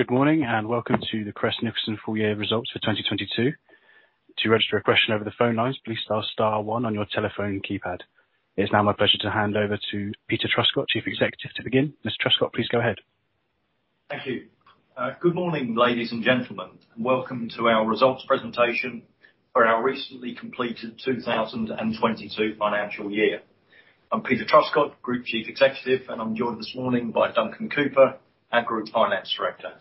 Good morning, welcome to the Crest Nicholson full year results for 2022. To register a question over the phone lines, please star star one on your telephone keypad. It's now my pleasure to hand over to Peter Truscott, Chief Executive to begin. Mr. Truscott, please go ahead. Thank you. Good morning, ladies and gentlemen. Welcome to our results presentation for our recently completed 2022 financial year. I'm Peter Truscott, Group Chief Executive, and I'm joined this morning by Duncan Cooper, our Group Finance Director.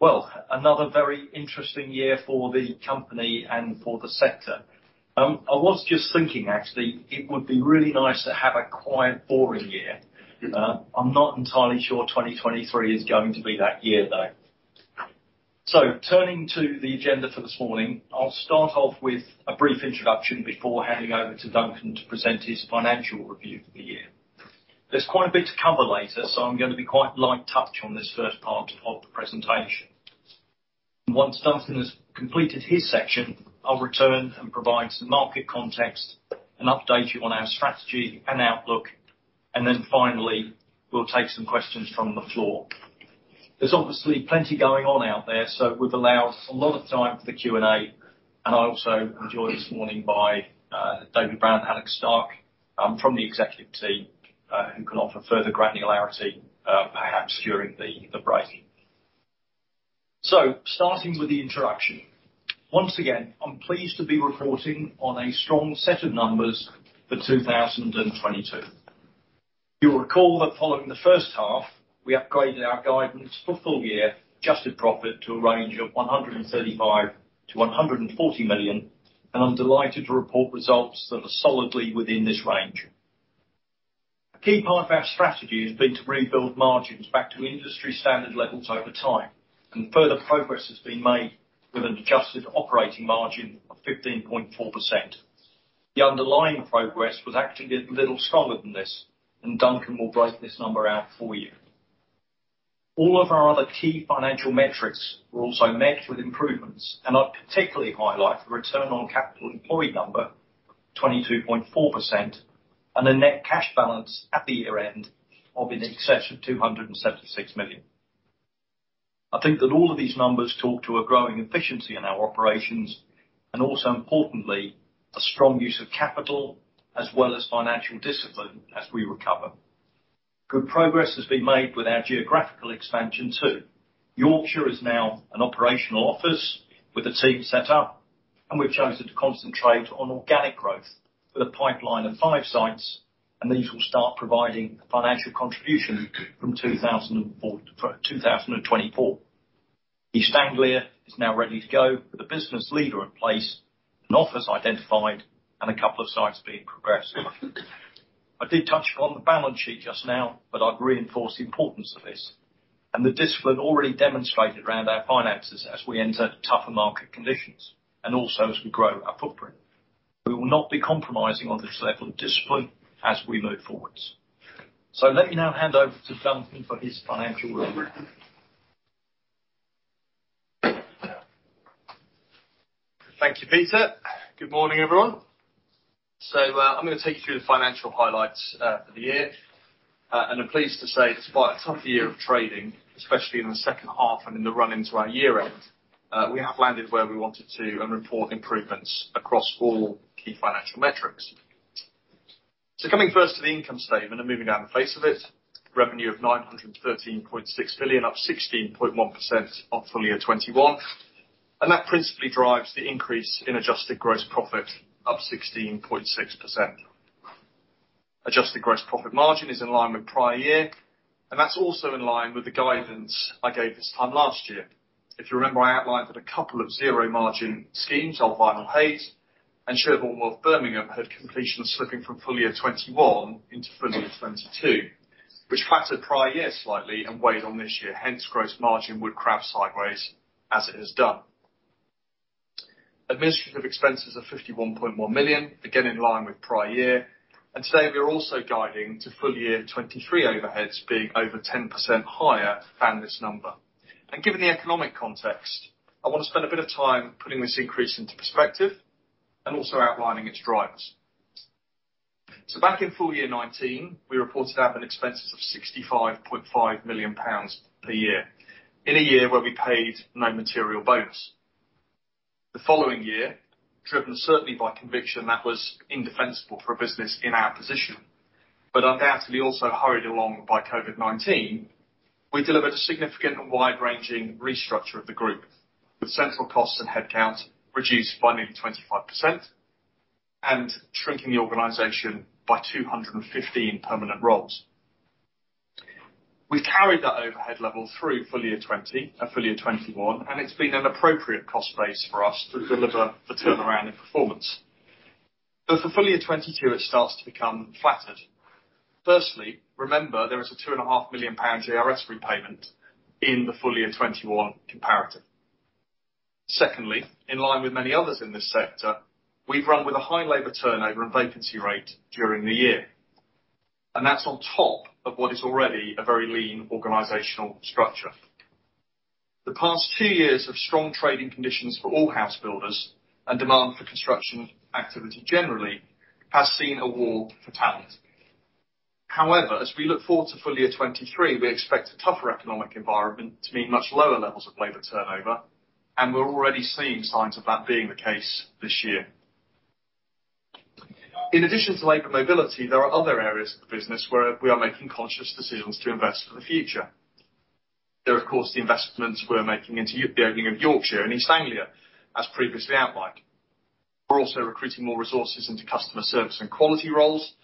Well, another very interesting year for the company and for the sector. I was just thinking, actually, it would be really nice to have a quiet, boring year. I'm not entirely sure 2023 is going to be that year, though. Turning to the agenda for this morning, I'll start off with a brief introduction before handing over to Duncan to present his financial review for the year. There's quite a bit to cover later, so I'm gonna be quite light touch on this first part of the presentation. Once Duncan has completed his section, I'll return and provide some market context and update you on our strategy and outlook. Finally, we'll take some questions from the floor. There's obviously plenty going on out there, we've allowed a lot of time for the Q&A, and I'm also joined this morning by David Brown, Alex Stark, from the executive team, who can offer further granularity, perhaps during the break. Starting with the introduction. Once again, I'm pleased to be reporting on a strong set of numbers for 2022. You'll recall that following the first half, we upgraded our guidance for full year adjusted profit to a range of 135 million-140 million, and I'm delighted to report results that are solidly within this range. A key part of our strategy has been to rebuild margins back to industry standard levels over time, further progress has been made with an adjusted operating margin of 15.4%. The underlying progress was actually a little stronger than this, Duncan will break this number out for you. All of our other key financial metrics were also met with improvements, I'd particularly highlight the return on capital employed number, 22.4%, and a net cash balance at the year-end of in excess of 276 million. I think that all of these numbers talk to a growing efficiency in our operations and also, importantly, a strong use of capital as well as financial discipline as we recover. Good progress has been made with our geographical expansion too. Yorkshire is now an operational office with a team set up, and we've chosen to concentrate on organic growth with a pipeline of five sites, and these will start providing a financial contribution from 2024. East Anglia is now ready to go with a business leader in place, an office identified, and a couple of sites being progressed. I did touch on the balance sheet just now, but I'd reinforce the importance of this and the discipline already demonstrated around our finances as we enter tougher market conditions and also as we grow our footprint. We will not be compromising on this level of discipline as we move forwards. Let me now hand over to Duncan for his financial review. Thank you, Peter. Good morning, everyone. I'm gonna take you through the financial highlights for the year, and I'm pleased to say despite a tough year of trading, especially in the second half and in the run into our year end, we have landed where we wanted to and report improvements across all key financial metrics. Coming first to the income statement and moving down the face of it, revenue of 913.6 billion, up 16.1% off full year 2021, that principally drives the increase in adjusted gross profit up 16.6%. Adjusted gross profit margin is in line with prior year, and that's also in line with the guidance I gave this time last year. If you remember, I outlined that a couple of zero margin schemes, Elveden Hayes and Sherborne Wharf Birmingham, had completion slipping from full year 2021 into full year 2022, which flattered prior years slightly and weighed on this year. Gross margin would craft sideways as it has done. Administrative expenses of 51.1 million, again in line with prior year. Today, we are also guiding to full year 2023 overheads being over 10% higher than this number. Given the economic context, I wanna spend a bit of time putting this increase into perspective and also outlining its drivers. Back in full year 2019, we reported admin expenses of 65.5 million pounds per year, in a year where we paid no material bonus. The following year, driven certainly by conviction that was indefensible for a business in our position but undoubtedly also hurried along by COVID-19, we delivered a significant and wide-ranging restructure of the group, with central costs and headcount reduced by nearly 25% and shrinking the organization by 215 permanent roles. We carried that overhead level through full year 2020 and full year 2021, and it's been an appropriate cost base for us to deliver the turnaround in performance. For full year 2022, it starts to become flattered. Firstly, remember, there is a two and a half million pounds JRS repayment in the full year 2021 comparative. In line with many others in this sector, we've run with a high labor turnover and vacancy rate during the year. That's on top of what is already a very lean organizational structure. The past two years of strong trading conditions for all house builders and demand for construction activity generally has seen a war for talent. As we look forward to full year 2023, we expect a tougher economic environment to mean much lower levels of labor turnover. We're already seeing signs of that being the case this year. In addition to labor mobility, there are other areas of the business where we are making conscious decisions to invest for the future. There are, of course, the investments we're making into the opening of Yorkshire and East Anglia, as previously outlined. We're also recruiting more resources into customer service and quality roles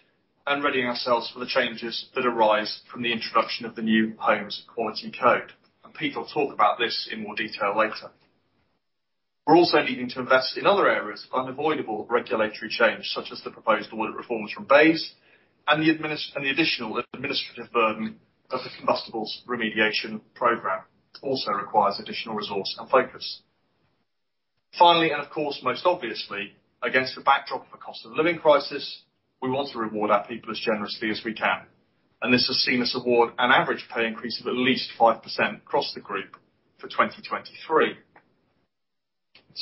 and readying ourselves for the changes that arise from the introduction of the New Homes Quality Code. Peter will talk about this in more detail later. We're also needing to invest in other areas of unavoidable regulatory change, such as the proposed audit reforms from BEIS and the additional administrative burden of the combustibles remediation program also requires additional resource and focus. Finally, of course, most obviously, against the backdrop of a cost of living crisis, we want to reward our people as generously as we can, and this has seen us award an average pay increase of at least 5% across the group for 2023.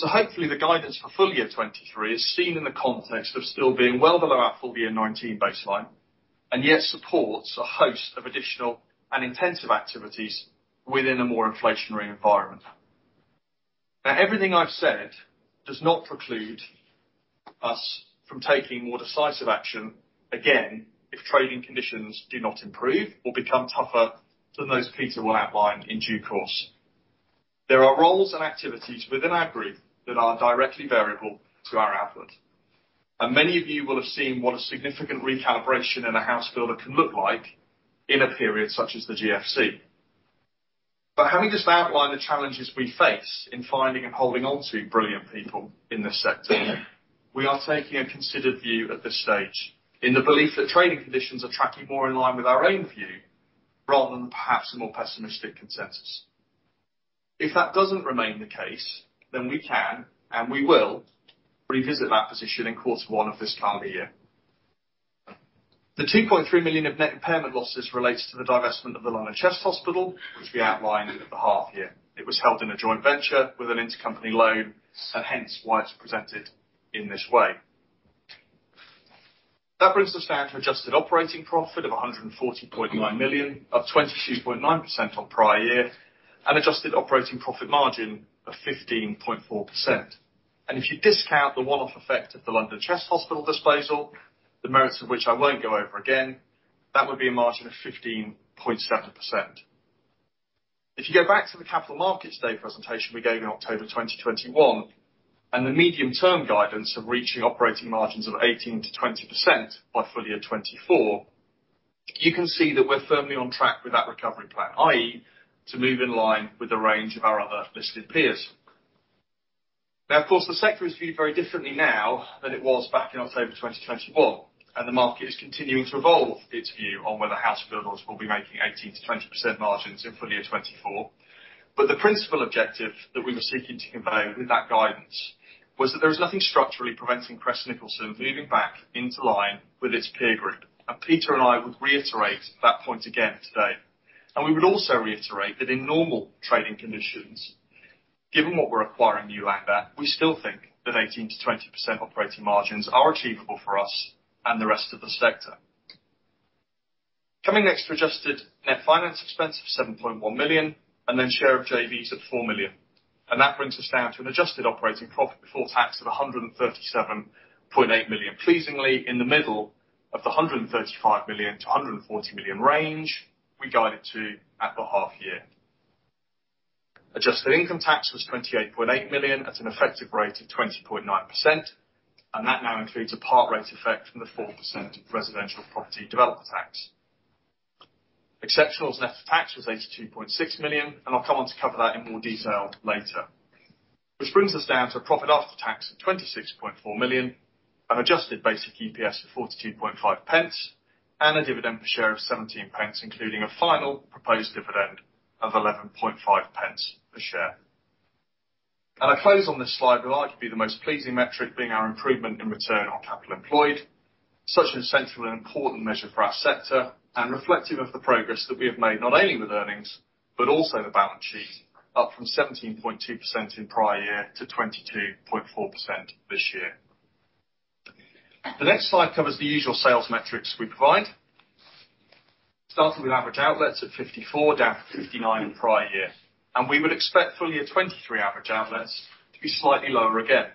Hopefully the guidance for full year 2023 is seen in the context of still being well below our full year 2019 baseline, and yet supports a host of additional and intensive activities within a more inflationary environment. Everything I've said does not preclude us from taking more decisive action, again, if trading conditions do not improve or become tougher than those Peter will outline in due course. There are roles and activities within our group that are directly variable to our output, and many of you will have seen what a significant recalibration in a house builder can look like in a period such as the GFC. Having just outlined the challenges we face in finding and holding on to brilliant people in this sector, we are taking a considered view at this stage in the belief that trading conditions are tracking more in line with our own view rather than perhaps a more pessimistic consensus. If that doesn't remain the case, then we can, and we will revisit that position in quarter one of this calendar year. The 2.3 million of net impairment losses relates to the divestment of the London Chest Hospital, which we outlined at the half year. It was held in a joint venture with an intercompany loan, and hence why it's presented in this way. That brings us down to adjusted operating profit of 140.9 million, up 22.9% on prior year and adjusted operating profit margin of 15.4%. If you discount the one-off effect of the London Chest Hospital disposal, the merits of which I won't go over again, that would be a margin of 15.7%. If you go back to the Capital Markets Day presentation we gave in October 2021 and the medium-term guidance of reaching operating margins of 18%-20% by full year 2024, you can see that we're firmly on track with that recovery plan, i.e., to move in line with the range of our other listed peers. Of course, the sector is viewed very differently now than it was back in October 2021, and the market is continuing to evolve its view on whether house builders will be making 18%-20% margins in full year 2024. The principal objective that we were seeking to convey with that guidance was that there is nothing structurally preventing Crest Nicholson moving back into line with its peer group. Peter and I would reiterate that point again today. We would also reiterate that in normal trading conditions, given what we're acquiring new like that, we still think that 18%-20% operating margins are achievable for us and the rest of the sector. Coming next to adjusted net finance expense of 7.1 million and then share of JVs at 4 million. That brings us down to an adjusted operating profit before tax of 137.8 million. Pleasingly in the middle of the 135 million-140 million range we guided to at the half year. Adjusted income tax was 28.8 million at an effective rate of 20.9%. That now includes a part rate effect from the 4% Residential Property Developer Tax. Exceptionals net of tax was 82.6 million, and I'll come on to cover that in more detail later. Which brings us down to a profit after tax of 26.4 million, an adjusted basic EPS of 0.425, and a dividend per share of 0.17, including a final proposed dividend of 0.115 per share. I close on this slide with arguably the most pleasing metric being our improvement in return on capital employed, such an essential and important measure for our sector, and reflective of the progress that we have made, not only with earnings but also the balance sheet, up from 17.2% in prior year to 22.4% this year. The next slide covers the usual sales metrics we provide. Starting with average outlets at 54, down from 59 in prior year. We would expect full year 2023 average outlets to be slightly lower again.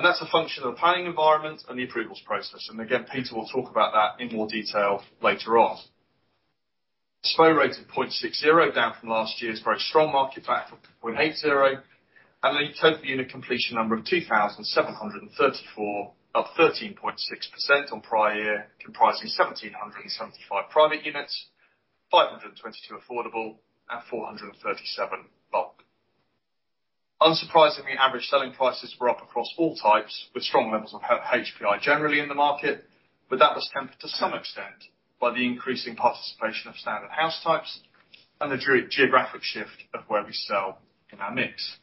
That's a function of the planning environment and the approvals process. Again, Peter will talk about that in more detail later on. Slow rate of 0.60, down from last year's very strong market of 0.80. A total unit completion number of 2,734, up 13.6% on prior year, comprising 1,775 private units, 522 affordable, and 437 bulk. Unsurprisingly, average selling prices were up across all types with strong levels of HPI generally in the market, but that was tempered to some extent by the increasing participation of standard house types and the geo-geographic shift of where we sell in our mix.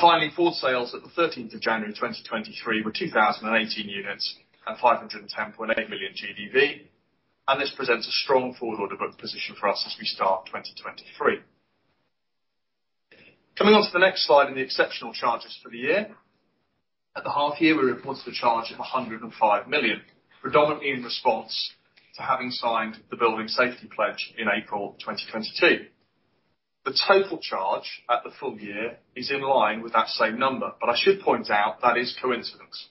Finally, forward sales at the 13th of January 2023 were 2,018 units and 510.8 million GDV. This presents a strong forward order book position for us as we start 2023. Coming on to the next slide in the exceptional charges for the year. At the half year, we reported a charge of 105 million, predominantly in response to having signed the Building Safety Pledge in April 2022. I should point out that is coincidence.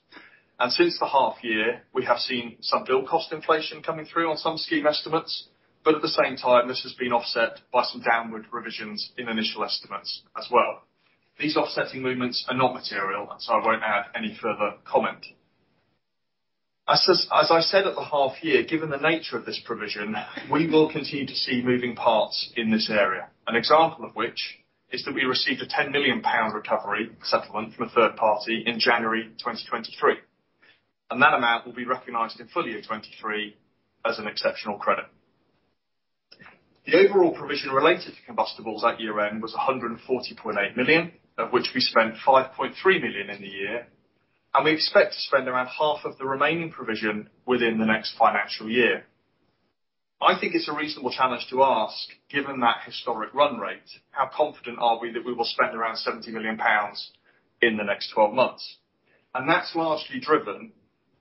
Since the half year, we have seen some build cost inflation coming through on some scheme estimates, at the same time, this has been offset by some downward revisions in initial estimates as well. These offsetting movements are not material. I won't add any further comment. As I said at the half year, given the nature of this provision, we will continue to see moving parts in this area. An example of which is that we received a 10 million pound recovery settlement from a third party in January 2023. That amount will be recognized in full year 2023 as an exceptional credit. The overall provision related to combustibles at year-end was 140.8 million, of which we spent 5.3 million in the year. We expect to spend around half of the remaining provision within the next financial year. I think it's a reasonable challenge to ask, given that historic run rate, how confident are we that we will spend around 70 million pounds in the next 12 months? That's largely driven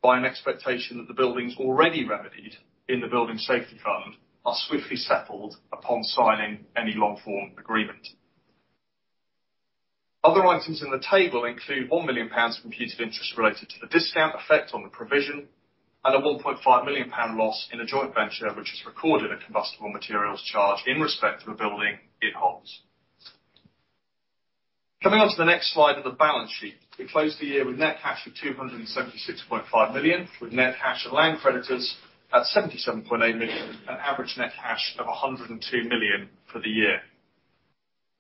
by an expectation that the buildings already remedied in the Building Safety Fund are swiftly settled upon signing any long-form agreement. Other items in the table include 1 million pounds computed interest related to the discount effect on the provision and a 1.5 million pound loss in a joint venture which has recorded a combustible materials charge in respect of a building it holds. Coming on to the next slide of the balance sheet. We closed the year with net cash of 276.5 million, with net cash and land creditors at 77.8 million, an average net cash of 102 million for the year.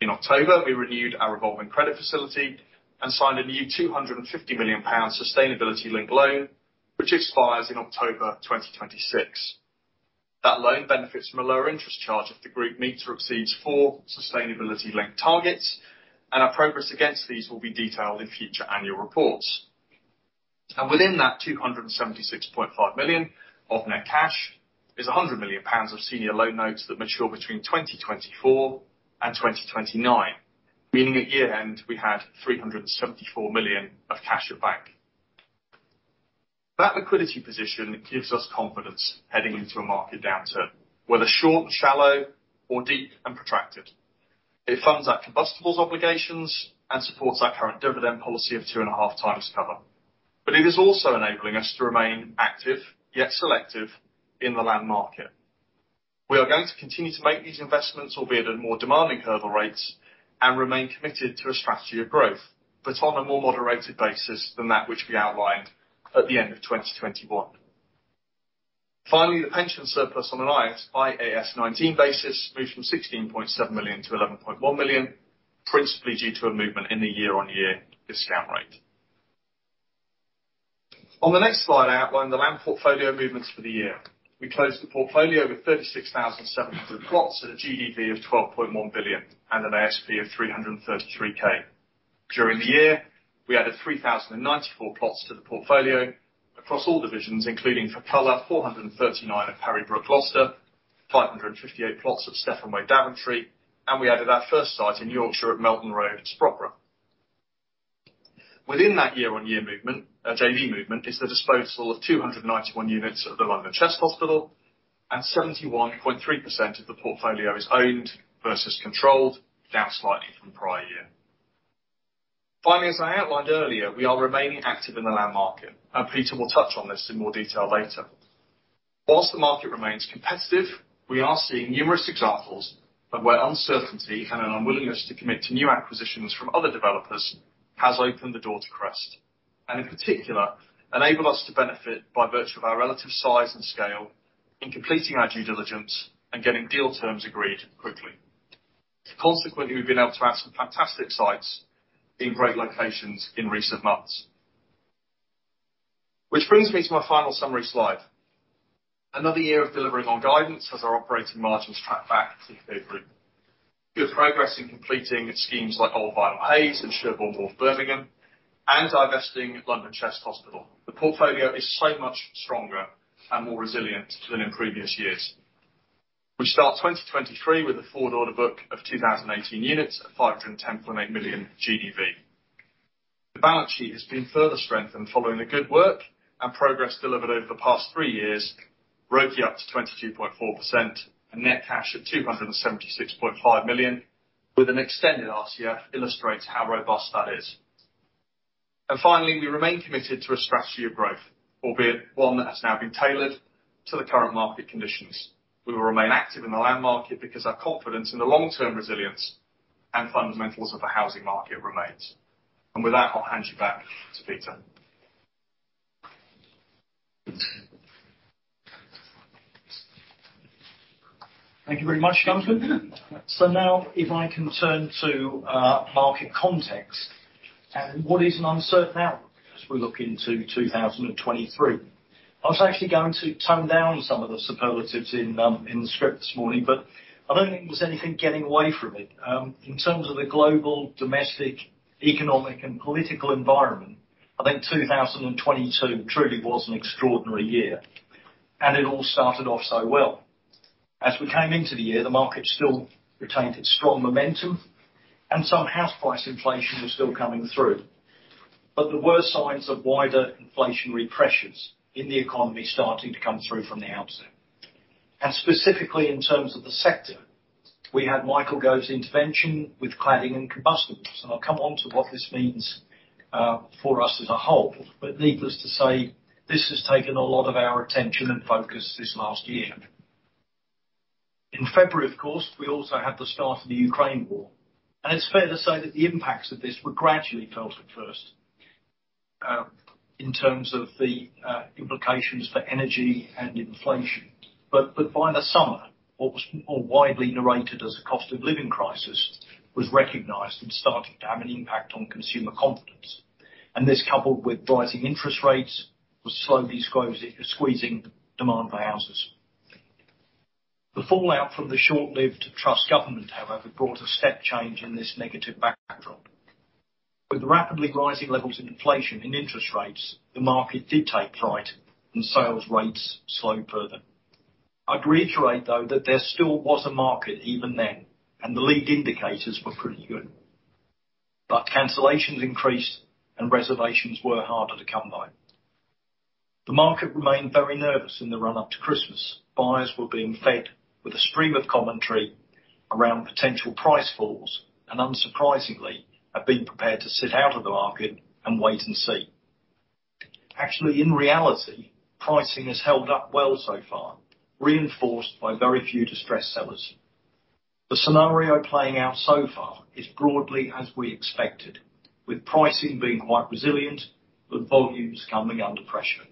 In October, we renewed our revolving credit facility and signed a new 250 million pounds sustainability-linked loan, which expires in October 2026. That loan benefits from a lower interest charge if the group meets or exceeds four sustainability-linked targets, and our progress against these will be detailed in future annual reports. Within that 276.5 million of net cash is 100 million pounds of senior loan notes that mature between 2024 and 2029. Meaning at year-end, we had 374 million of cash at bank. That liquidity position gives us confidence heading into a market downturn, whether short and shallow or deep and protracted. It funds our combustibles obligations and supports our current dividend policy of 2.5 times cover. It is also enabling us to remain active, yet selective in the land market. We are going to continue to make these investments, albeit at more demanding hurdle rates, and remain committed to a strategy of growth, but on a more moderated basis than that which we outlined at the end of 2021. Finally, the pension surplus on an IAS 19 basis moved from 16.7 million to 11.1 million, principally due to a movement in the year-on-year discount rate. On the next slide, I outline the land portfolio movements for the year. We closed the portfolio with 36,700 plots at a GDV of 12.1 billion and an ASP of 333K. During the year, we added 3,094 plots to the portfolio across all divisions, including 439 at Perrybrook, Gloucester, 558 plots at Stephenson Way, Daventry, and we added our first site in Yorkshire at Melton Road, Sproatley. Within that year-on-year movement, JV movement, is the disposal of 291 units at the London Chest Hospital, and 71.3% of the portfolio is owned versus controlled, down slightly from prior year. Finally, as I outlined earlier, we are remaining active in the land market, and Peter will touch on this in more detail later. Whilst the market remains competitive, we are seeing numerous examples of where uncertainty and an unwillingness to commit to new acquisitions from other developers has opened the door to Crest. In particular, enable us to benefit by virtue of our relative size and scale in completing our due diligence and getting deal terms agreed quickly. Consequently, we've been able to add some fantastic sites in great locations in recent months. Which brings me to my final summary slide. Another year of delivering on guidance as our operating margins track back to 3%. Good progress in completing schemes like Old Vinyl Factory, Hayes and Sherborne Wharf, Birmingham, and divesting London Chest Hospital. The portfolio is so much stronger and more resilient than in previous years. We start 2023 with a forward order book of 2,018 units at 510.8 million GDV. The balance sheet has been further strengthened following the good work and progress delivered over the past three years, ROCE up to 22.4% and net cash at 276.5 million, with an extended RCF illustrates how robust that is. Finally, we remain committed to a strategy of growth, albeit one that has now been tailored to the current market conditions. We will remain active in the land market because our confidence in the long-term resilience and fundamentals of the housing market remains. With that, I'll hand you back to Peter. Thank you very much, Duncan. Now if I can turn to market context and what is an uncertain outlook as we look into 2023. I was actually going to tone down some of the superlatives in the script this morning. I don't think there was anything getting away from it. In terms of the global domestic economic and political environment, I think 2022 truly was an extraordinary year, and it all started off so well. As we came into the year, the market still retained its strong momentum and some house price inflation was still coming through. There were signs of wider inflationary pressures in the economy starting to come through from the outset. Specifically in terms of the sector, we had Michael Gove's intervention with cladding and combustibles, and I'll come on to what this means for us as a whole. Needless to say, this has taken a lot of our attention and focus this last year. In February, of course, we also had the start of the Ukraine War. It's fair to say that the impacts of this were gradually felt at first, in terms of the implications for energy and inflation. By the summer, what was more widely narrated as a cost of living crisis was recognized and started to have an impact on consumer confidence. This, coupled with rising interest rates, was slowly squeezing demand by houses. The fallout from the short-lived Truss government, however, brought a step change in this negative backdrop. Rapidly rising levels of inflation and interest rates, the market did take fright and sales rates slowed further. I'd reiterate, though, that there still was a market even then, and the lead indicators were pretty good. Cancellations increased and reservations were harder to come by. The market remained very nervous in the run-up to Christmas. Buyers were being fed with a stream of commentary around potential price falls, and unsurprisingly, have been prepared to sit out of the market and wait and see. Actually, in reality, pricing has held up well so far, reinforced by very few distressed sellers. The scenario playing out so far is broadly as we expected, with pricing being quite resilient, but volumes coming under pressure.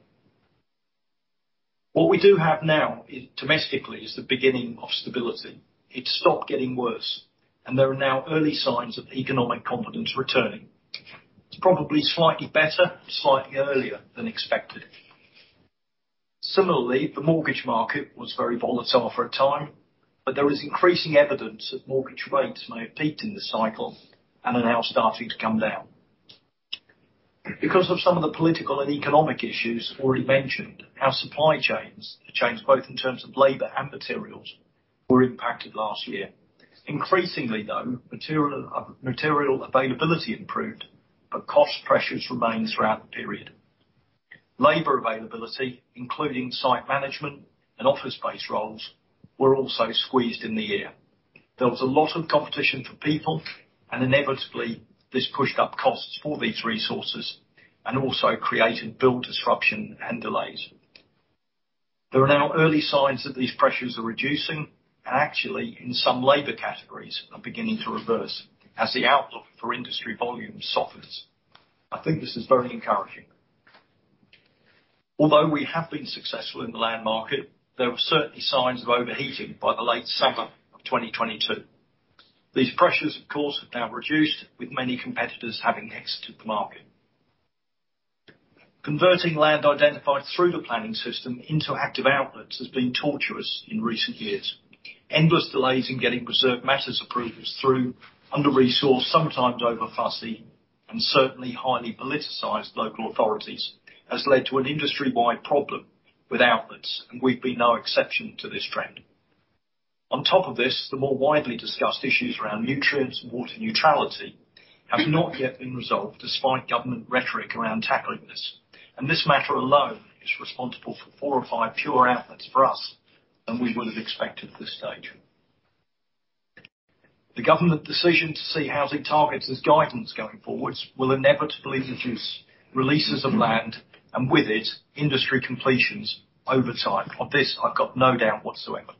What we do have now is, domestically is the beginning of stability. It's stopped getting worse, and there are now early signs of economic confidence returning. It's probably slightly better, slightly earlier than expected. Similarly, the mortgage market was very volatile for a time, but there is increasing evidence that mortgage rates may have peaked in the cycle and are now starting to come down. Of some of the political and economic issues already mentioned, our supply chains have changed both in terms of labor and materials were impacted last year. Increasingly, though, material availability improved, cost pressures remained throughout the period. Labor availability, including site management and office space roles, were also squeezed in the air. There was a lot of competition for people, inevitably, this pushed up costs for these resources and also created build disruption and delays. There are now early signs that these pressures are reducing actually in some labor categories are beginning to reverse as the outlook for industry volume softens. I think this is very encouraging. We have been successful in the land market, there were certainly signs of overheating by the late summer of 2022. These pressures, of course, have now reduced, with many competitors having exited the market. Converting land identified through the planning system into active outlets has been torturous in recent years. Endless delays in getting reserved matters approvals through under-resourced, sometimes over-fussy, and certainly highly politicized local authorities has led to an industry-wide problem with outlets, we've been no exception to this trend. On top of this, the more widely discussed issues around nutrients and water neutrality have not yet been resolved despite Government rhetoric around tackling this. This matter alone is responsible for four or five pure outlets for us than we would have expected at this stage. The Government decision to see housing targets as guidance going forwards will inevitably reduce releases of land and with it industry completions over time. On this, I've got no doubt whatsoever.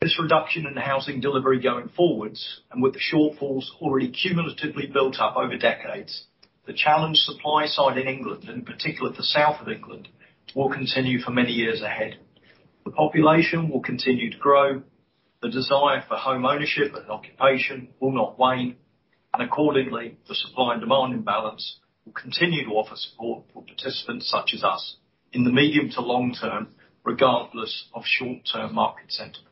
This reduction in housing delivery going forwards and with the shortfalls already cumulatively built up over decades, the challenge supply side in England, in particular the south of England, will continue for many years ahead. The population will continue to grow, the desire for home ownership and occupation will not wane. Accordingly, the supply and demand imbalance will continue to offer support for participants such as us in the medium to long term, regardless of short-term market sentiment.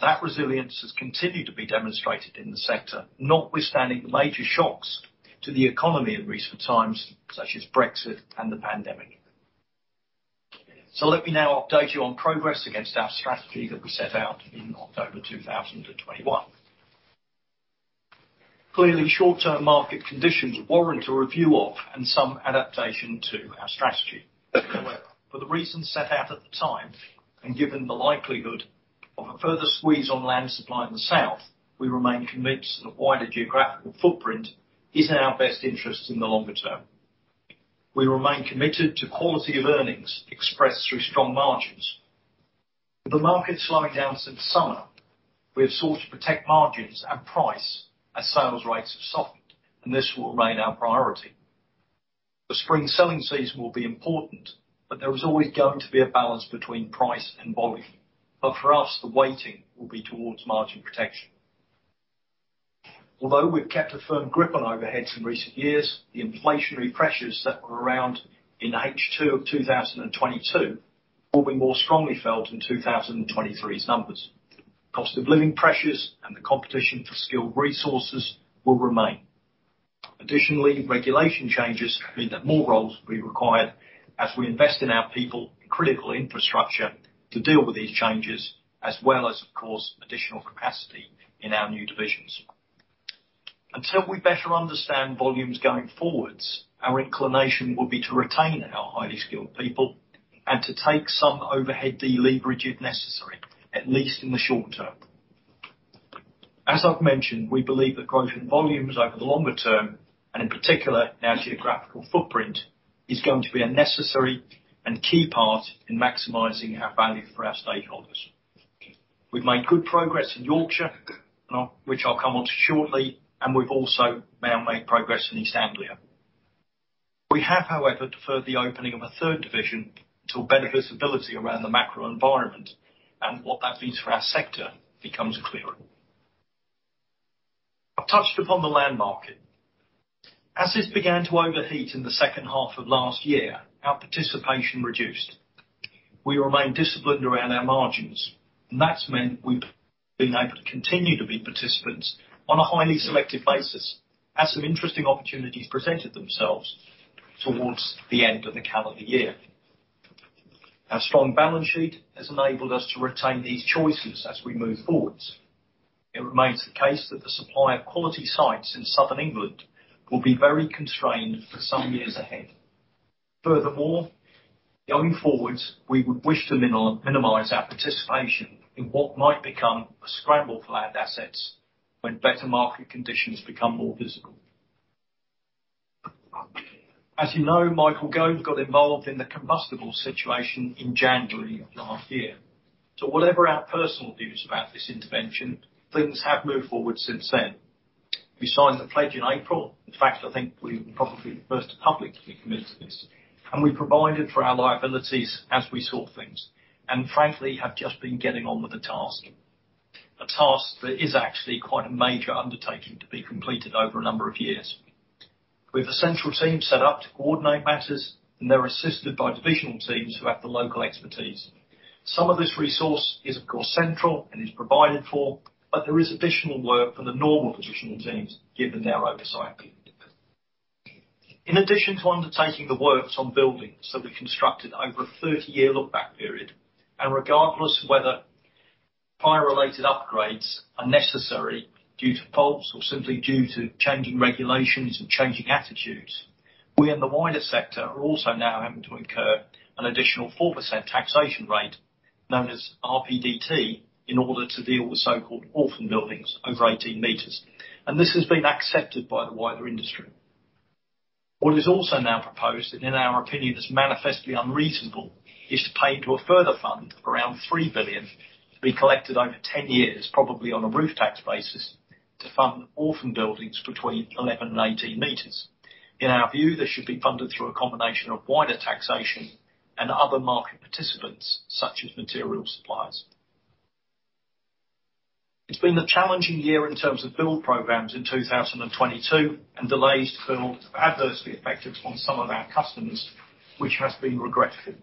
That resilience has continued to be demonstrated in the sector, notwithstanding the major shocks to the economy in recent times, such as Brexit and the pandemic. Let me now update you on progress against our strategy that we set out in October 2021. Clearly, short-term market conditions warrant a review of and some adaptation to our strategy. For the reasons set out at the time and given the likelihood of a further squeeze on land supply in the South, we remain convinced that a wider geographical footprint is in our best interest in the longer term. We remain committed to quality of earnings expressed through strong margins. With the market slowing down since summer, we have sought to protect margins and price as sales rates have softened, and this will remain our priority. The spring selling season will be important, but there is always going to be a balance between price and volume. For us, the weighting will be towards margin protection. We've kept a firm grip on overheads in recent years, the inflationary pressures that were around in H2 of 2022 will be more strongly felt in 2023's numbers. Regulation changes mean that more roles will be required as we invest in our people and critical infrastructure to deal with these changes, as well as, of course, additional capacity in our new divisions. Until we better understand volumes going forwards, our inclination will be to retain our highly skilled people and to take some overhead deleverage if necessary, at least in the short term. I've mentioned, we believe acquiring volumes over the longer term, and in particular, our geographical footprint, is going to be a necessary and key part in maximizing our value for our stakeholders. We've made good progress in Yorkshire, which I'll come on to shortly, and we've also now made progress in East Anglia. We have, however, deferred the opening of a 3rd division till better visibility around the macro environment and what that means for our sector becomes clearer. I've touched upon the land market. As this began to overheat in the 2nd half of last year, our participation reduced. We remain disciplined around our margins, that's meant we've been able to continue to be participants on a highly selective basis as some interesting opportunities presented themselves towards the end of the calendar year. Our strong balance sheet has enabled us to retain these choices as we move forwards. It remains the case that the supply of quality sites in Southern England will be very constrained for some years ahead. Furthermore, going forwards, we would wish to minimize our participation in what might become a scramble for land assets when better market conditions become more visible. As you know, Michael Gove got involved in the combustible situation in January of last year. Whatever our personal views about this intervention, things have moved forward since then. We signed the pledge in April. In fact, I think we were probably the first to publicly commit to this. We provided for our liabilities as we saw things, and frankly, have just been getting on with the task. A task that is actually quite a major undertaking to be completed over a number of years. We have a central team set up to coordinate matters, and they're assisted by divisional teams who have the local expertise. Some of this resource is, of course, central and is provided for, but there is additional work from the normal divisional teams given their oversight. In addition to undertaking the works on buildings that were constructed over a 30-year look back period, and regardless whether fire-related upgrades are necessary due to faults or simply due to changing regulations and changing attitudes, we in the wider sector are also now having to incur an additional 4% taxation rate known as RPDT, in order to deal with so-called orphan buildings over 18 meters. This has been accepted by the wider industry. What is also now proposed, and in our opinion is manifestly unreasonable, is to pay into a further fund of around 3 billion to be collected over 10 years, probably on a roof tax basis, to fund orphan buildings between 11 m and 18 m. In our view, this should be funded through a combination of wider taxation and other market participants, such as material suppliers. It's been a challenging year in terms of build programs in 2022. Delays have adversely affected some of our customers, which has been regretful.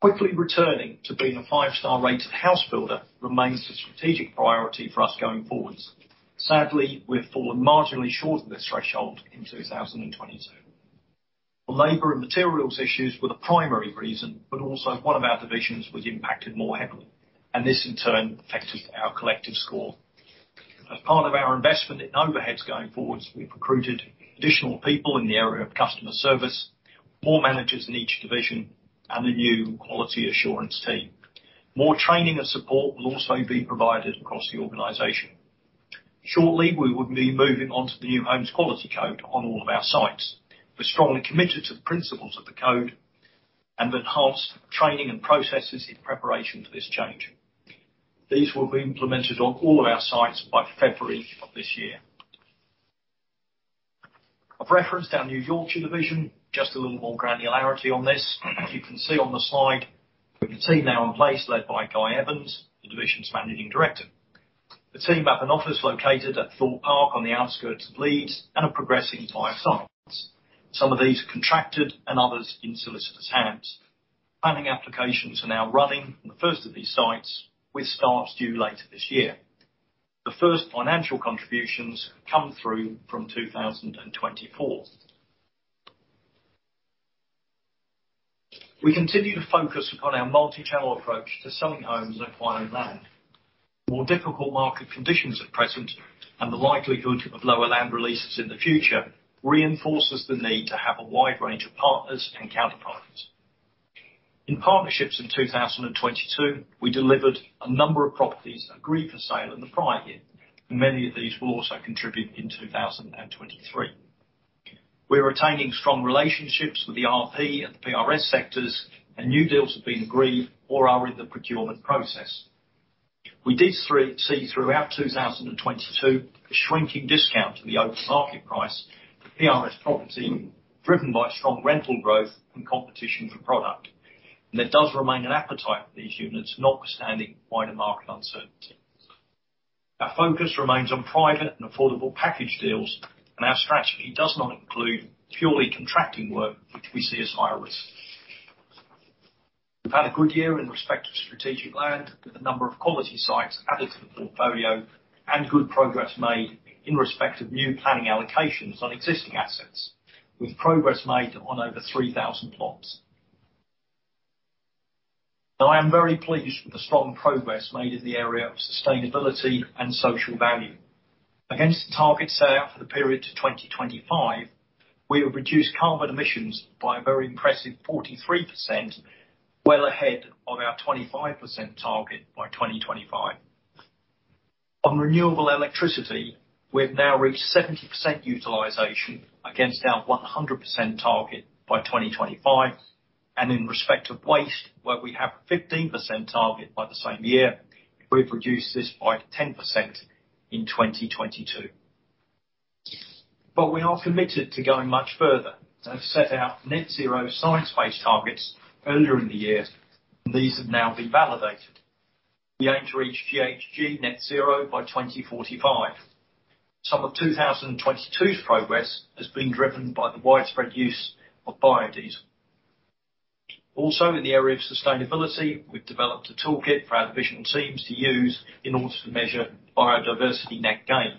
Quickly returning to being a 5-star rated house builder remains a strategic priority for us going forwards. Sadly, we have fallen marginally short of this threshold in 2022. Labor and materials issues were the primary reason. Also one of our divisions was impacted more heavily, and this in turn affected our collective score. As part of our investment in overheads going forwards, we've recruited additional people in the area of customer service, more managers in each division and a new quality assurance team. More training and support will also be provided across the organization. Shortly, we will be moving on to the New Homes Quality Code on all of our sites. We're strongly committed to the principles of the code and enhanced training and processes in preparation for this change. These will be implemented on all of our sites by February of this year. I've referenced our new Yorkshire division, just a little more granularity on this. As you can see on the slide, we have a team now in place led by Guy Evans, the division's managing director. The team have an office located at Thorpe Park on the outskirts of Leeds and are progressing five sites. Some of these are contracted and others in solicitors' hands. Planning applications are now running on the first of these sites, with start due later this year. The first financial contributions come through from 2024. We continue to focus upon our multi-channel approach to selling homes and acquiring land. More difficult market conditions at present and the likelihood of lower land releases in the future reinforces the need to have a wide range of partners and counterparts. In partnerships in 2022, we delivered a number of properties agreed for sale in the prior year. Many of these will also contribute in 2023. We're retaining strong relationships with the RP and the PRS sectors. New deals have been agreed or are in the procurement process. We did see throughout 2022 a shrinking discount to the open market price for PRS property, driven by strong rental growth and competition for product. There does remain an appetite for these units, notwithstanding wider market uncertainty. Our focus remains on private and affordable package deals. Our strategy does not include purely contracting work, which we see as higher risk. We've had a good year in respect of strategic land, with a number of quality sites added to the portfolio, and good progress made in respect of new planning allocations on existing assets, with progress made on over 3,000 plots. I am very pleased with the strong progress made in the area of sustainability and social value. Against the target set out for the period to 2025, we have reduced carbon emissions by a very impressive 43%, well ahead of our 25% target by 2025. On renewable electricity, we've now reached 70% utilization against our 100% target by 2025. In respect of waste, where we have a 15% target by the same year, we've reduced this by 10% in 2022. We are committed to going much further, and have set out net zero science-based targets earlier in the year, and these have now been validated. We aim to reach GHG net zero by 2045. Some of 2022's progress has been driven by the widespread use of biodiesel. Also, in the area of sustainability, we've developed a toolkit for our divisional teams to use in order to measure biodiversity net gain.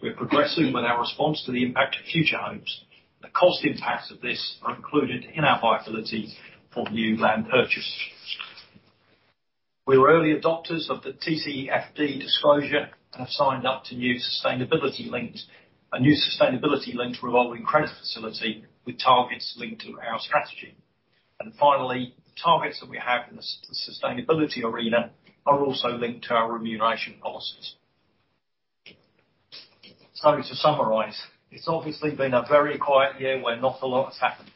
We are progressing with our response to the impact of future homes. The cost impacts of this are included in our viability for new land purchases. We were early adopters of the TCFD disclosure, and have signed up to a new sustainability-linked revolving credit facility with targets linked to our strategy. Finally, the targets that we have in the sustainability arena are also linked to our remuneration policies. To summarize, it's obviously been a very quiet year where not a lot has happened.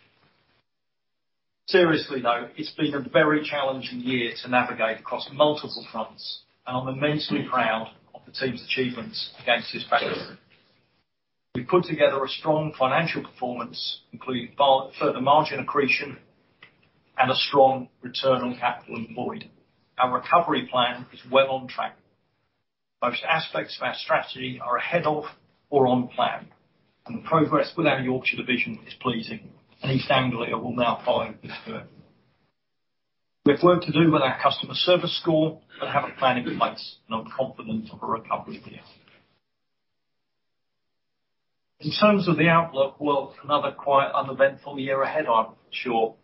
Seriously, though, it's been a very challenging year to navigate across multiple fronts, and I'm immensely proud of the team's achievements against this backdrop. We've put together a strong financial performance, including further margin accretion and a strong return on capital employed. Our recovery plan is well on track. Most aspects of our strategy are ahead of or on plan, and the progress with our Yorkshire division is pleasing, and East Anglia will now follow this through. We have work to do with our customer service score, but have a plan in place and I'm confident of a recovery here. In terms of the outlook, well, another quite uneventful year ahead, I'm sure.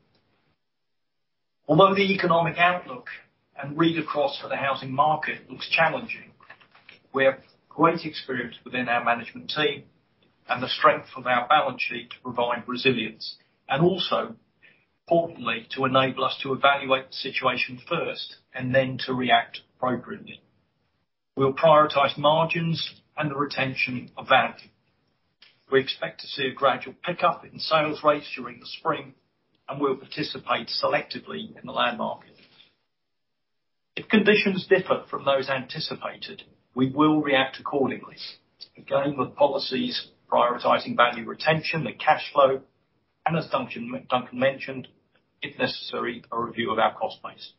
Although the economic outlook and read across for the housing market looks challenging, we have great experience within our management team and the strength of our balance sheet to provide resilience, and also, importantly, to enable us to evaluate the situation first and then to react appropriately. We'll prioritize margins and the retention of value. We expect to see a gradual pickup in sales rates during the spring, and we'll participate selectively in the land market. If conditions differ from those anticipated, we will react accordingly. Again, with policies prioritizing value retention and cash flow, and as Duncan mentioned, if necessary, a review of our cost base.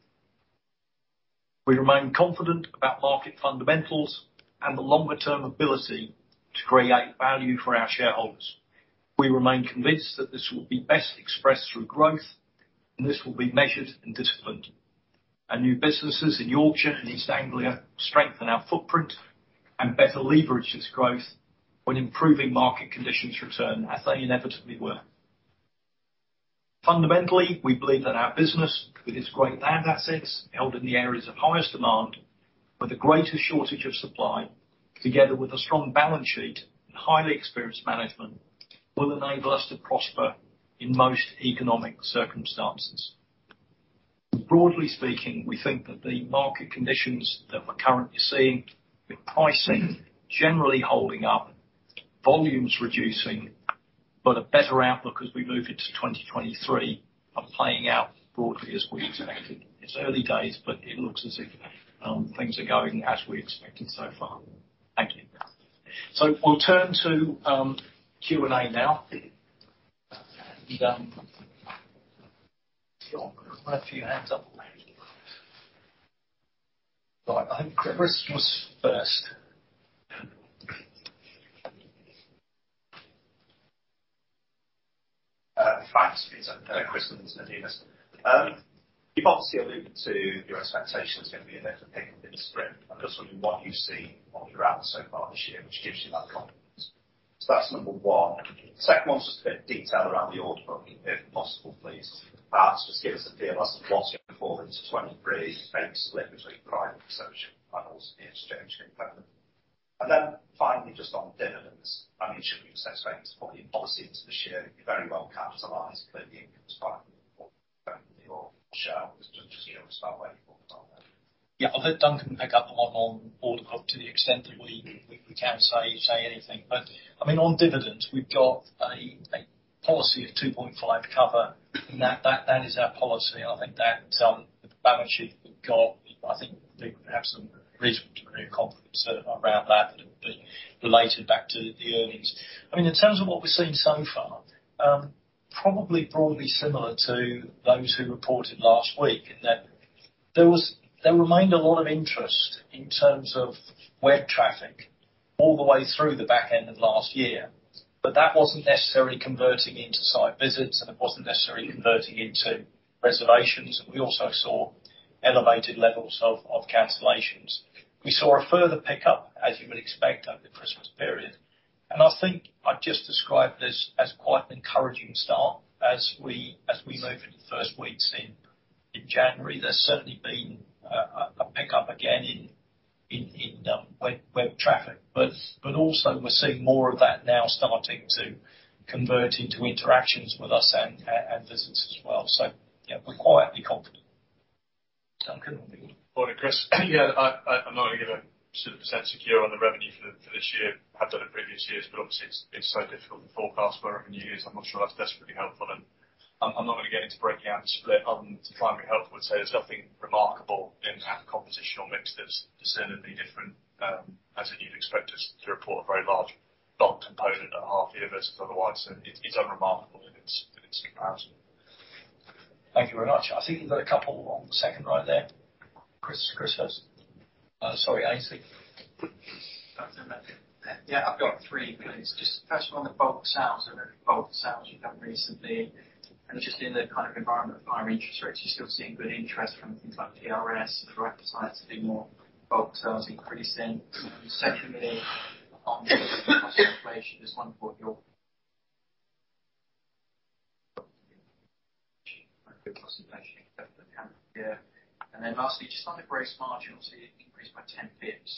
We remain confident about market fundamentals and the longer term ability to create value for our shareholders. We remain convinced that this will be best expressed through growth, and this will be measured and disciplined. Our new businesses in Yorkshire and East Anglia strengthen our footprint and better leverage its growth when improving market conditions return, as they inevitably will. Fundamentally, we believe that our business, with its great land assets held in the areas of highest demand, with the greatest shortage of supply, together with a strong balance sheet and highly experienced management, will enable us to prosper in most economic circumstances. Broadly speaking, we think that the market conditions that we're currently seeing, with pricing generally holding up, volumes reducing, but a better outlook as we move into 2023, are playing out broadly as we expected. It's early days, but it looks as if things are going as we expected so far. Thank you. We'll turn to Q&A now. There are a few hands up. Right. I think Chris was first. Thanks. It's, Chris Mm-hmm. From J.P. Morgan. You've obviously alluded to your expectation there's gonna be a bit of a pickup in the spring and also what you've seen on the ground so far this year, which gives you that confidence. That's number one. Second one is just a bit of detail around the order book, if possible, please. Just give us a feel as to what's your performance in 2023, maybe split between private and social panels in exchange, if relevant. Finally, just on dividends. I mean, should we expect, following policy into this year, you're very well capitalized, clearly income's fine for certainly your share. Just so we know where you focused on there. Yeah. I'll let Duncan pick up the one on order book to the extent that we can say anything. I mean, on dividends, we've got a policy of 2.5 cover. That is our policy. The balance sheet we've got, I think we have some reasonable degree of confidence around that it would be related back to the earnings. I mean, in terms of what we've seen so far, probably broadly similar to those who reported last week, in that there remained a lot of interest in terms of web traffic all the way through the back end of last year. That wasn't necessarily converting into site visits, and it wasn't necessarily converting into reservations. We also saw elevated levels of cancellations. We saw a further pickup, as you would expect over the Christmas period. I think I'd just describe this as quite an encouraging start as we move into the first weeks in January. There's certainly been a pickup again in web traffic. Also we're seeing more of that now starting to convert into interactions with us and visits as well. Yeah, we're quietly confident. Morning, Chris. Yeah, I'm not gonna give a sort of percent secure on the revenue for this year. Have done in previous years, obviously it's so difficult to forecast where our revenue is. I'm not sure that's desperately helpful. I'm not gonna get into breaking out the split other than to try and be helpful and say there's nothing remarkable in that compositional mix that's necessarily different, as you'd expect us to report a very large bulk component at half year. Otherwise, it's unremarkable in its comparison. Thank you very much. I think you've got a couple on the second row there. Chris, Christopher. sorry, AC. Yeah, I've got three please. Just first of all, on the bulk sales and the bulk sales you've done recently, and just in the kind of environment of higher interest rates, you're still seeing good interest from things like PRS and the right size to do more bulk sales increasing. Secondly, inflation, just wondering what your. Lastly, just on the gross margin, obviously it increased by 10 bips.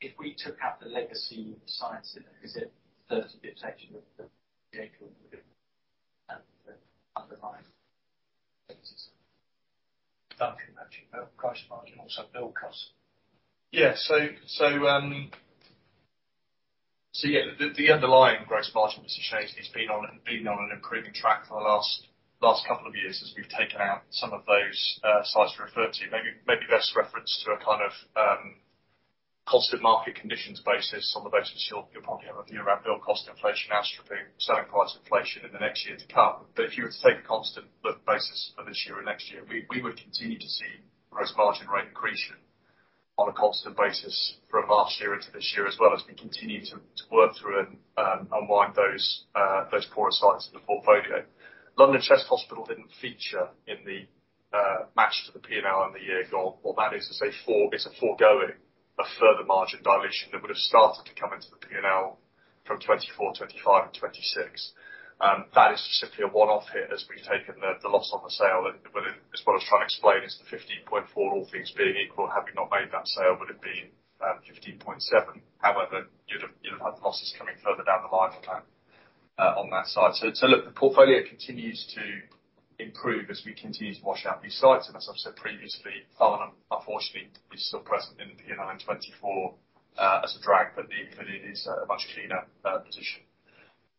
If we took out the legacy sites, is it 30 bips actually underlying? Duncan, actually. Gross margin, also bill cost. Yeah. Yeah, the underlying gross margin, as you say, has been on an improving track for the last couple of years as we've taken out some of those sites referred to. Maybe best referenced to a kind of constant market conditions basis on the basis you'll probably have a view around bill cost inflation, ASP, selling price inflation in the next year to come. If you were to take a constant look basis for this year and next year, we would continue to see gross margin rate accretion on a constant basis from last year into this year, as well as we continue to work through and unwind those poorer sites in the portfolio. London Chest Hospital didn't feature in the match to the P&L in the year gone. What that is to say is a foregoing, a further margin dilution that would have started to come into the P&L from 2024, 2025 and 2026. That is simply a one-off hit as we've taken the loss on the sale. As what I was trying to explain is the 15.4, all things being equal, had we not made that sale, would have been 15.7. You'd have had losses coming further down the line, Pat, on that site. Look, the portfolio continues to improve as we continue to wash out these sites. As I've said previously, Thornham unfortunately is still present in the P&L in 2024 as a drag, but it is a much cleaner position.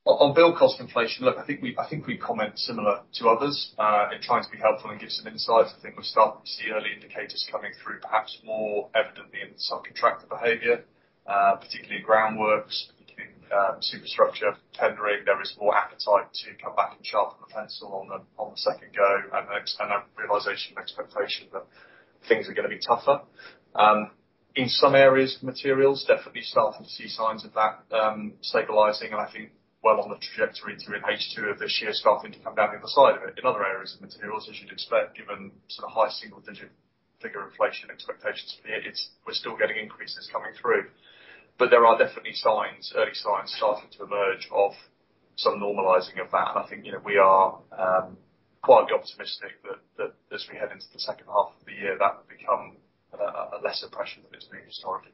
On bill cost inflation, look, I think we comment similar to others, in trying to be helpful and give some insight. I think we're starting to see early indicators coming through, perhaps more evidently in some contractor behavior, particularly groundworks, including superstructure tendering. There is more appetite to come back and sharpen the pencil on the second go and a realization and expectation that things are gonna be tougher. In some areas, materials, definitely starting to see signs of that, stabilizing and I think well on the trajectory through in H-two of this year, starting to come down the other side of it. In other areas of materials, as you'd expect, given sort of high single digit figure inflation expectations for the year, we're still getting increases coming through. There are definitely signs, early signs starting to emerge of some normalizing of that. I think, you know, we are quietly optimistic that as we head into the second half of the year, that will become a lesser pressure than it's been historically.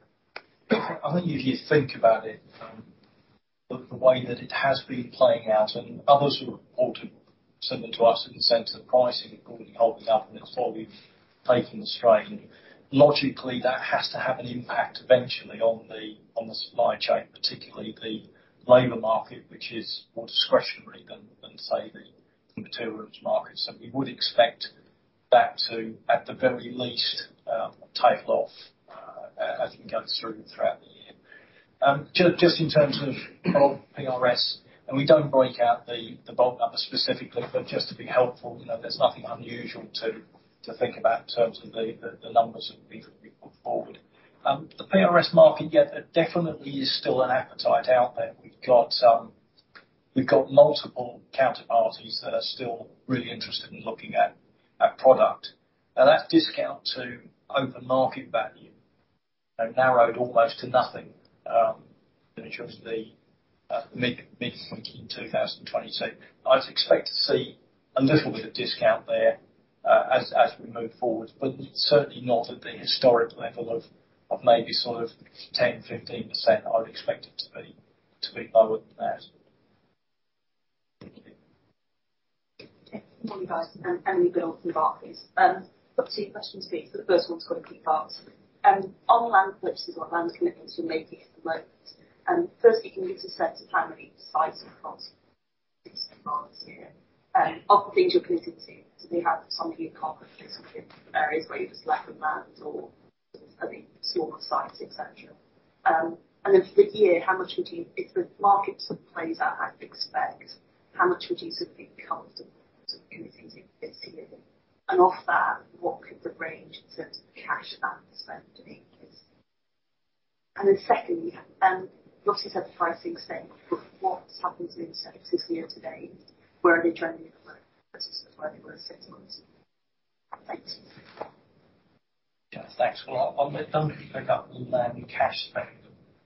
I think if you think about it, the way that it has been playing out and others who have reported similar to us in the sense that pricing is going to be holding up and it's probably taking the strain. Logically, that has to have an impact eventually on the supply chain, particularly the labor market, which is more discretionary than say the materials market. We would expect that to, at the very least, tail off as we go through throughout the year. Just in terms of PRS, and we don't break out the bulk numbers specifically, but just to be helpful, you know, there's nothing unusual to think about in terms of the numbers that we've put forward. The PRS market, yeah, there definitely is still an appetite out there. We've got multiple counterparties that are still really interested in looking at product. Now that discount to open market value narrowed almost to nothing, in terms of the mid 20 in 2022. I'd expect to see a little bit of discount there as we move forward, but certainly not at the historic level of maybe sort of 10%-15%. I'd expect it to be lower than that. Thank you. Morning, guys. James Gordon from Barclays. I've got two questions for you, but the first one's got a few parts. On land purchases or land commitments you're making at the moment, firstly, can you just set the timing, size and cost? Of the things you're committing to, do they have some of the Yeah, thanks. Well, I'll let Duncan pick up on the land and cash spend.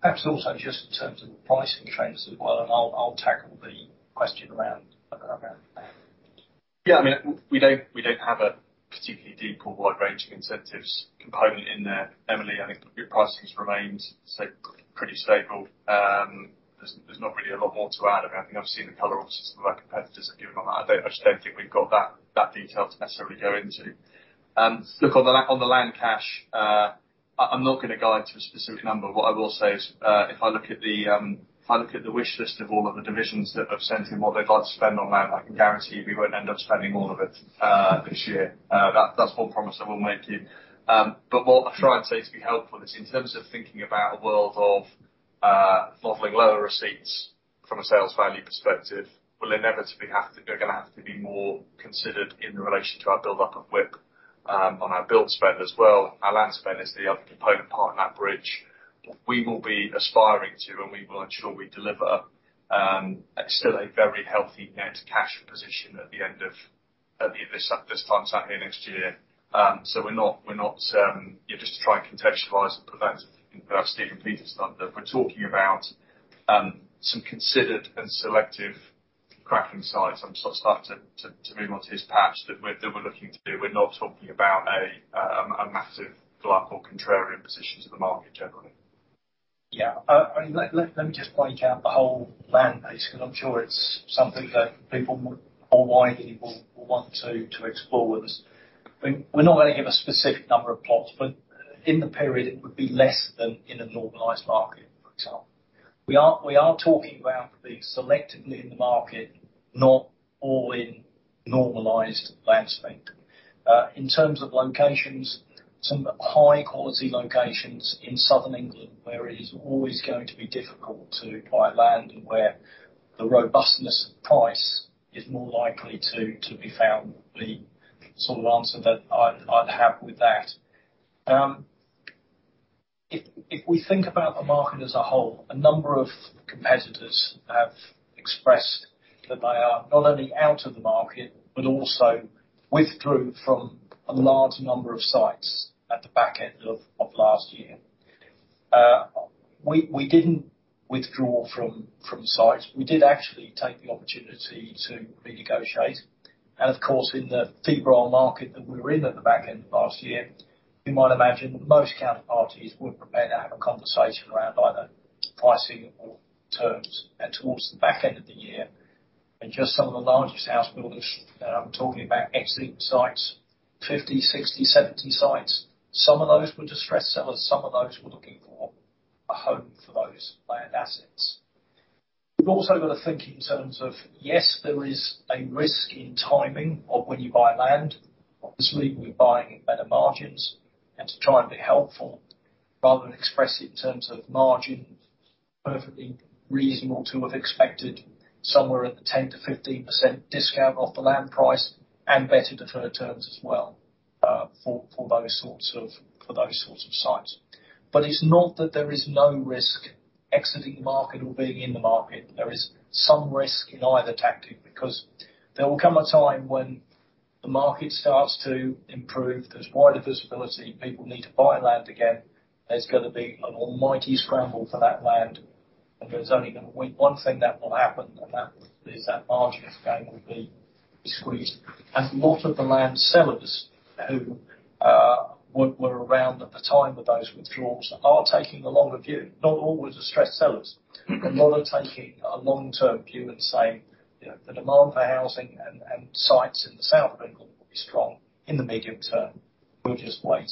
Perhaps also just in terms of the pricing trends as well, and I'll tackle the question around land. I mean, we don't have a particularly deep or wide-ranging incentives component in there, Emily. I think your pricing has remained pretty stable. There's not really a lot more to add. I mean, I think I've seen the color off some of our competitors have given on that. I just don't think we've got that detail to necessarily go into. Look, on the on the land cash, I'm not gonna guide to a specific number. What I will say is, if I look at the, if I look at the wish list of all of the divisions that have sent in what they'd like to spend on land, I can guarantee we won't end up spending all of it this year. That's one promise I will make you. What I'll try and say to be helpful is in terms of thinking about a world of modeling lower receipts from a sales value perspective, they're going to have to be more considered in relation to our buildup of WIP on our build spend as well. Our land spend is the other component part in that bridge. What we will be aspiring to, we will ensure we deliver still a very healthy net cash position at the end of this time Saturday next year. We're not... Yeah, just to try and contextualize and put that in perspective, Peter's done, that we're talking about some considered and selective cracking sites. I'm sort of starting to move on to his perhaps that we're looking to do. We're not talking about a massive glug or contrarian position to the market generally. Yeah. I mean, let me just break out the whole land base 'cause I'm sure it's something that people more widely will want to explore with us. We're not gonna give a specific number of plots, but in the period it would be less than in a normalized market, for example. We are talking about being selectively in the market, not all in normalized land spend. In terms of locations, some high quality locations in Southern England where it is always going to be difficult to buy land and where the robustness of price is more likely to be found, would be the sort of answer that I'd have with that. If we think about the market as a whole, a number of competitors have expressed that they are not only out of the market, but also withdrew from a large number of sites at the back end of last year. We didn't withdraw from sites. We did actually take the opportunity to renegotiate. Of course, in the febrile market that we were in at the back end of last year, you might imagine that most counterparties wouldn't have been able to have a conversation around either pricing or terms towards the back end of the year. Just some of the largest house builders, I'm talking about excellent sites, 50, 60, 70 sites. Some of those were distressed sellers, some of those were looking for a home for those land assets. We've also got to think in terms of, yes, there is a risk in timing of when you buy land. Obviously, we're buying at better margins. To try and be helpful, rather than express it in terms of margin, perfectly reasonable to have expected somewhere at the 10%-15% discount off the land price and better deferred terms as well for those sorts of sites. It's not that there is no risk exiting the market or being in the market. There is some risk in either tactic because there will come a time when the market starts to improve. There's wider visibility. People need to buy land again. There's gonna be an almighty scramble for that land. One thing that will happen, and that is that margin again will be squeezed. A lot of the land sellers who were around at the time of those withdrawals are taking the longer view, not all were distressed sellers. A lot are taking a long-term view and saying, you know, "The demand for housing and sites in the South of England will be strong in the medium term. We'll just wait."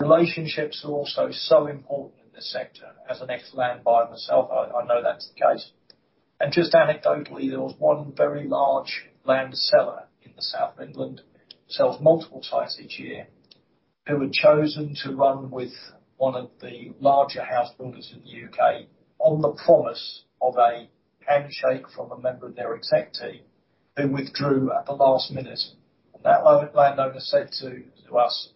Relationships are also so important in this sector. As an ex-land buyer myself, I know that's the case. Just anecdotally, there was one very large land seller in the South of England, sells multiple sites each year, who had chosen to run with one of the larger house builders in the U.K. on the promise of a handshake from a member of their exec team, who withdrew at the last minute. That landowner said to us,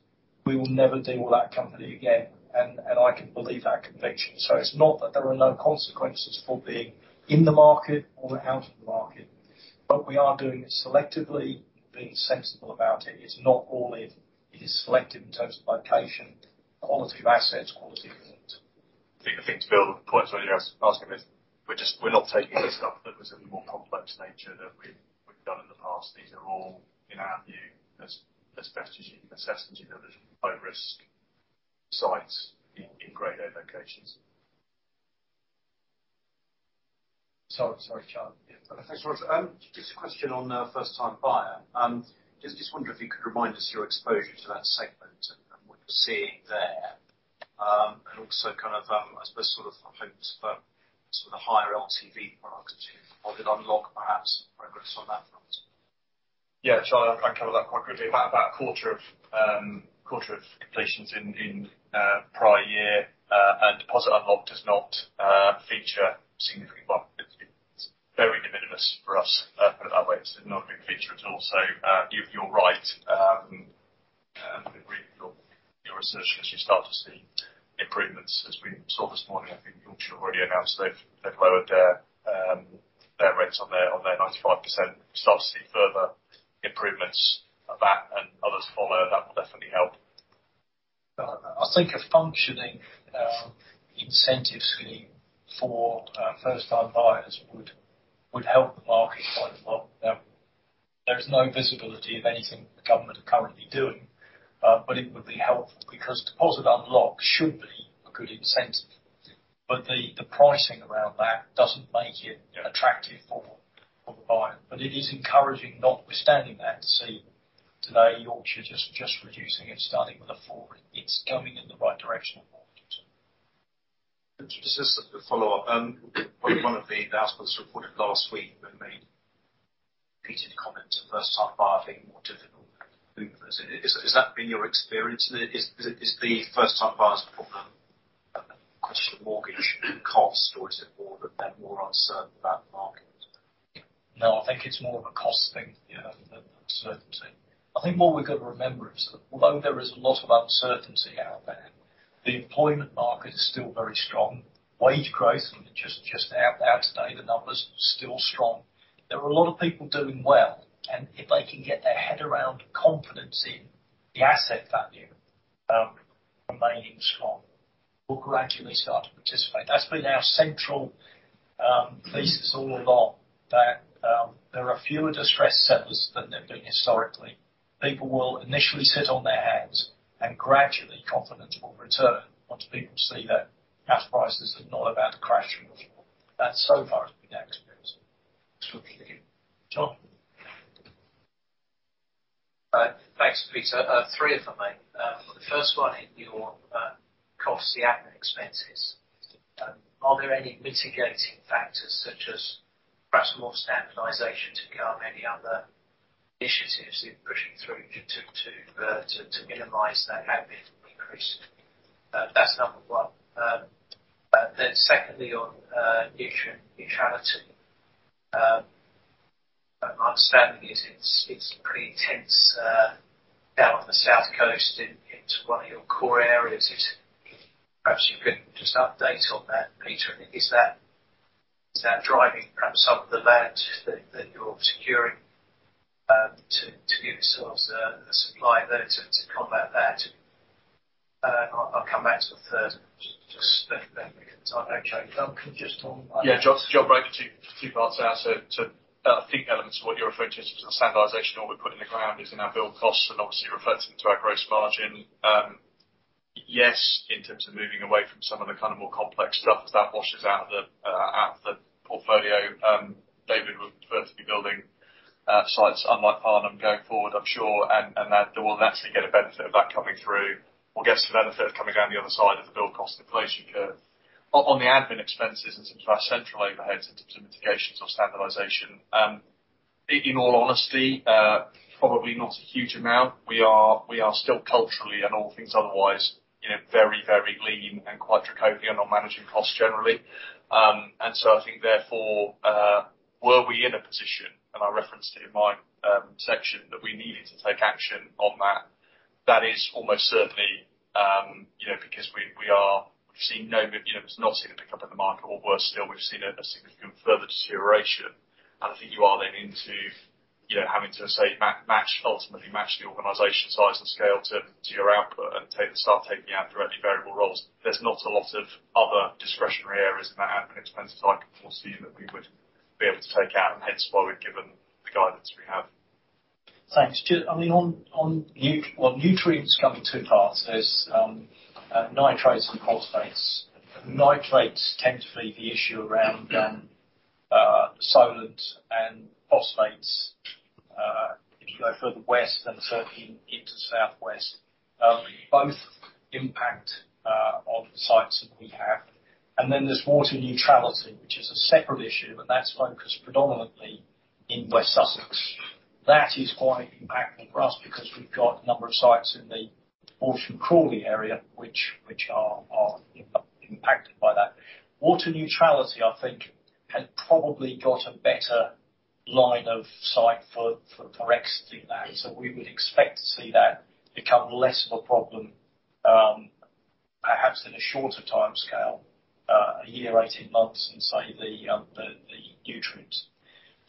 "We will never deal with that company again." I can believe that conviction. It's not that there are no consequences for being in the market or out of the market, but we are doing it selectively, being sensible about it. It's not all in. It is selective in terms of location, quality of assets, quality of land. I think the thing to build the point earlier I was asking is we're just, we're not taking the stuff that was of a more complex nature that we've done in the past. These are all in our view as best as you can assess and due diligence, low risk sites in great A locations. Sorry, sorry, Charles. Yeah. Thanks, Roger. Just a question on first time buyer. Just wonder if you could remind us your exposure to that segment and what you're seeing there. Also kind of, I suppose sort of, I hope, sort of the higher LTV products you've offered unlock perhaps progress on that front. Yeah, sure. I'll cover that quite quickly. About a quarter of completions in prior year, and Deposit Unlock does not feature significantly. Well, it's very de minimis for us. Put it that way. It's not a big feature at all. You're right. Agree with your research as you start to see improvements, as we saw this morning, I think Yorkshire already announced they've lowered their rates on their 95%. Start to see further improvements of that and others follow, that will definitely help. I think a functioning incentive scheme for first-time buyers would help the market quite a lot. There's no visibility of anything the government are currently doing, but it would be helpful because Deposit Unlock should be a good incentive. The pricing around that doesn't make it attractive for the buyer. It is encouraging, notwithstanding that, to see today Yorkshire just reducing it, starting with a four. It's coming in the right direction of market. Just as a follow-up. One of the announcements reported last week, we made repeated comments of first-time buyer being more difficult. Has that been your experience? Is it the first-time buyers problem a question of mortgage cost, or is it more that they're more uncertain about the market? No, I think it's more of a cost thing than uncertainty. I think what we've got to remember is that although there is a lot of uncertainty out there, the employment market is still very strong. Wage growth just out there today, the numbers are still strong. There are a lot of people doing well, and if they can get their head around confidence in the asset value, remaining strong, will gradually start to participate. That's been our central thesis all along, that there are fewer distressed sellers than there have been historically. People will initially sit on their hands, and gradually confidence will return once people see that house prices are not about to crash through the floor. That so far has been our experience. Absolutely. Tom? Thanks, Peter. three if I may. The first one in your costs, the admin expenses. Are there any mitigating factors such as perhaps more standardization to go or any other initiatives you're pushing through to minimize that admin increase? That's number 1. Secondly, on nutrient neutrality. My understanding is it's pretty intense down on the South Coast in one of your core areas. Perhaps you could just update on that, Peter. Is that driving perhaps some of the land that you're securing to give yourselves a supply there to combat that? I'll come back to the 3rd just then we can tie that chain. Can you just talk about that? Yeah. John Brake. Two parts there. To, I think elements of what you're referring to is the standardization, what we're putting in the ground is in our build costs and obviously reflecting to our gross margin. Yes, in terms of moving away from some of the kind of more complex stuff as that washes out the portfolio, David would prefer to be building, sites unlike Farnham going forward, I'm sure, and that we'll naturally get a benefit of that coming through. We'll get the benefit of coming down the other side of the build cost inflation curve. On the admin expenses in terms of our central overheads in terms of mitigations or standardization, in all honesty, probably not a huge amount. We are still culturally and all things otherwise, you know, very, very lean and quite draconian on managing costs generally. I think therefore, were we in a position, and I referenced it in my section, that we needed to take action on that is almost certainly, you know, because we've seen no, you know, there's not seen a pickup in the market or worse still, we've seen a significant further deterioration. I think you are then into, you know, having to say match, ultimately match the organization size and scale to your output and start taking out directly variable roles. There's not a lot of other discretionary areas in that admin expense type portfolio that we would be able to take out, and hence why we've given the guidance we have. Thanks. I mean, on, well, nutrients come in two parts. There's nitrates and phosphates. Nitrates tend to be the issue around Solent and phosphates, if you go further west, and certainly into Southwest. Both impact on the sites that we have. There's water neutrality, which is a separate issue, and that's focused predominantly in West Sussex. That is quite impactful for us because we've got a number of sites in the Horsham Crawley area which are impacted by that. Water neutrality, I think, has probably got a better line of sight for exiting that. We would expect to see that become less of a problem, perhaps in a shorter timescale, a year, 18 months than, say, the nutrients.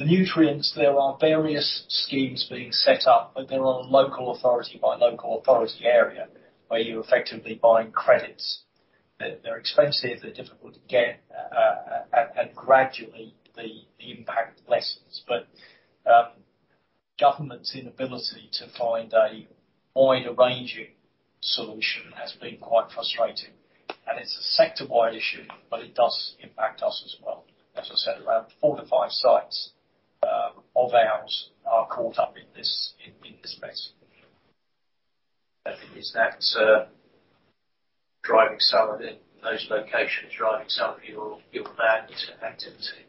The nutrients, there are various schemes being set up, but they're on a local authority by local authority area where you're effectively buying credits. They're expensive, they're difficult to get, and gradually the impact lessens. Government's inability to find a wider ranging solution has been quite frustrating. It's a sector-wide issue, but it does impact us as well. As I said, around four to five sites of ours are caught up in this mess. Is that, driving some of it, those locations driving some of your land activity?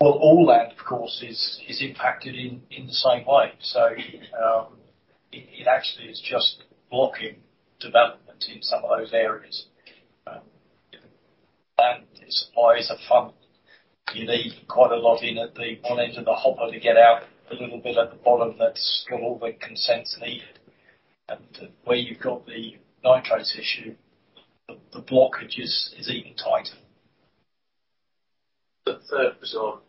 Well, all land, of course, is impacted in the same way. It actually is just blocking development in some of those areas. Land supplies are fun. You need quite a lot in at the one end of the hopper to get out the little bit at the bottom that's got all the consents needed. Where you've got the nitrates issue, the blockage is even tighter. The third was on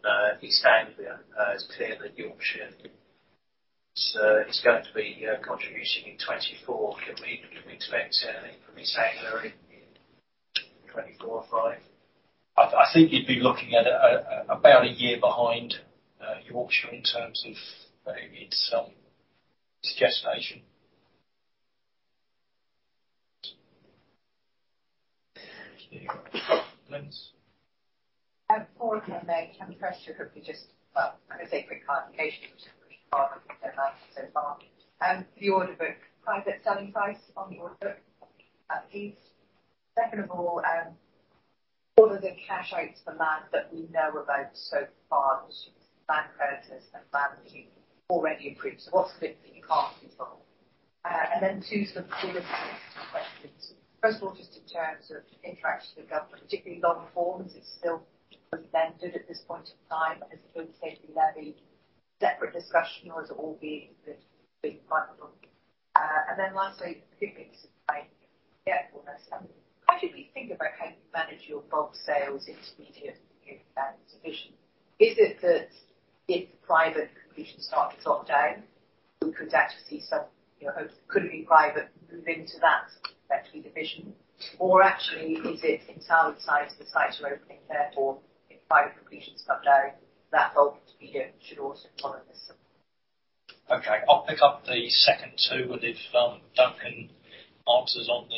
East Anglia. It's clear that Yorkshire is going to be contributing in 2024. Can we expect anything from East Anglia in 2024 or 2025? I think you'd be looking at about a year behind, Yorkshire in terms of, its gestation. Okay, lens. Before we come back, can I press you quickly just, I'm gonna say quick clarification, which is really hard so far. The order book, private selling price on the order book at least. Second of all, what are the cash outs for land that we know about so far to land creditors and land that you've already approved? What's the bit that you can't control? Then two sort of bigger picture questions. First of all, just in terms of interaction with the government, particularly long forms, it's still presented at this point in time as opposed to taking levy. Separate discussion, or is it all being bundled? Then lastly, particularly to supply. Yeah, well, that's something. How do we think about how you manage your bulk sales intermediate division? Is it that if the private completions start to drop down, we could actually see some, you know, could we private move into that actually division? Actually, is it entirely tied to the site you're opening therefore, if private completions come down, that bulk intermediate should also follow this? Okay, I'll pick up the second two, and if, Duncan answers on.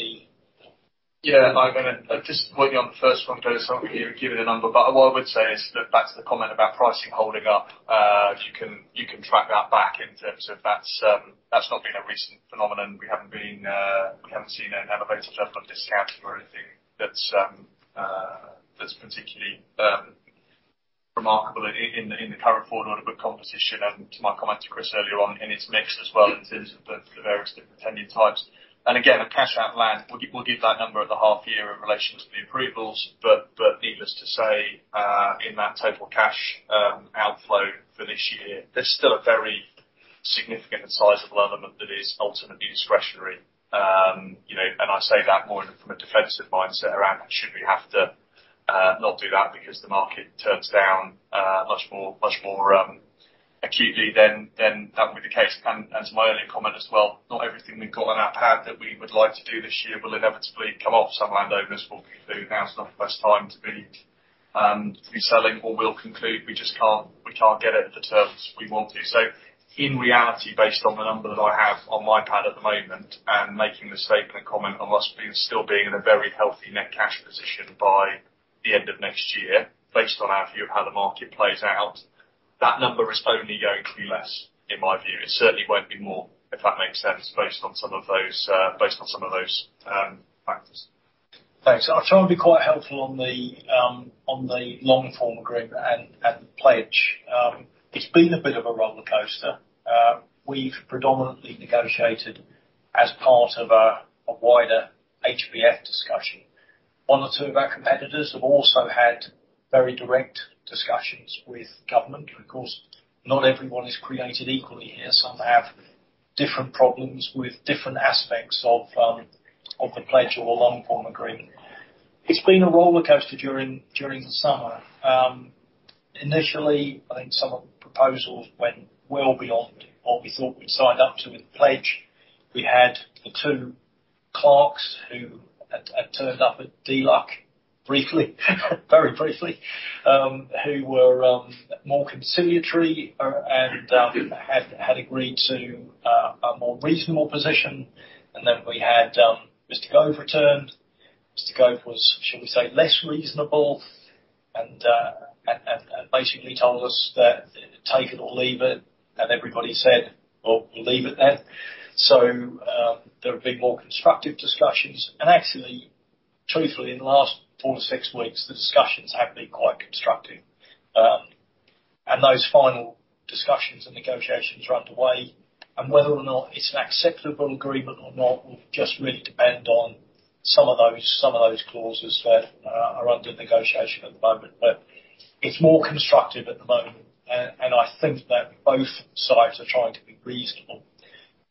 Yeah, I'm gonna just point you on the first one, Chris. I won't give you a number, but what I would say is that back to the comment about pricing holding up, if you can, you can track that back in terms of that's not been a recent phenomenon. We haven't been, we haven't seen an elevated level of discounting or anything that's particularly remarkable in the current forward order book competition. To my comment to Chris earlier on, and it's mixed as well in terms of the various different tenant types. Again, the cash out land, we'll give that number at the half year in relation to the approvals. Needless to say, in that total cash outflow for this year, there's still a very significant and sizable element that is ultimately discretionary. You know, and I say that more from a defensive mindset around should we have to not do that because the market turns down much more acutely then that'll be the case. To my earlier comment as well, not everything we've got on our pad that we would like to do this year will inevitably come off. Some land owners will conclude now's not the best time to be selling or will conclude we just can't get it at the terms we want to. In reality, based on the number that I have on my pad at the moment, and making the statement and comment on us being, still being in a very healthy net cash position by the end of next year, based on our view of how the market plays out, that number is only going to be less, in my view. It certainly won't be more, if that makes sense, based on some of those factors. Thanks. I'll try and be quite helpful on the long form agreement and the pledge. It's been a bit of a rollercoaster. We've predominantly negotiated as part of a wider HBF discussion. One or two of our competitors have also had very direct discussions with government. Of course, not everyone is created equally here. Some have different problems with different aspects of the pledge or the long form agreement. It's been a rollercoaster during the summer. Initially, I think some of the proposals went well beyond what we thought we'd signed up to with the pledge. We had the two clerks who had turned up at D. Luck briefly, very briefly, who were more conciliatory and had agreed to a more reasonable position. Then we had Mr. Gove return. Mr. Gove was, shall we say, less reasonable and basically told us that take it or leave it, and everybody said, "Well, we'll leave it then." There have been more constructive discussions. Actually, truthfully, in the last 4-6 weeks, the discussions have been quite constructive. Those final discussions and negotiations are underway. Whether or not it's an acceptable agreement or not will just really depend on some of those clauses that are under negotiation at the moment. It's more constructive at the moment. I think that both sides are trying to be reasonable.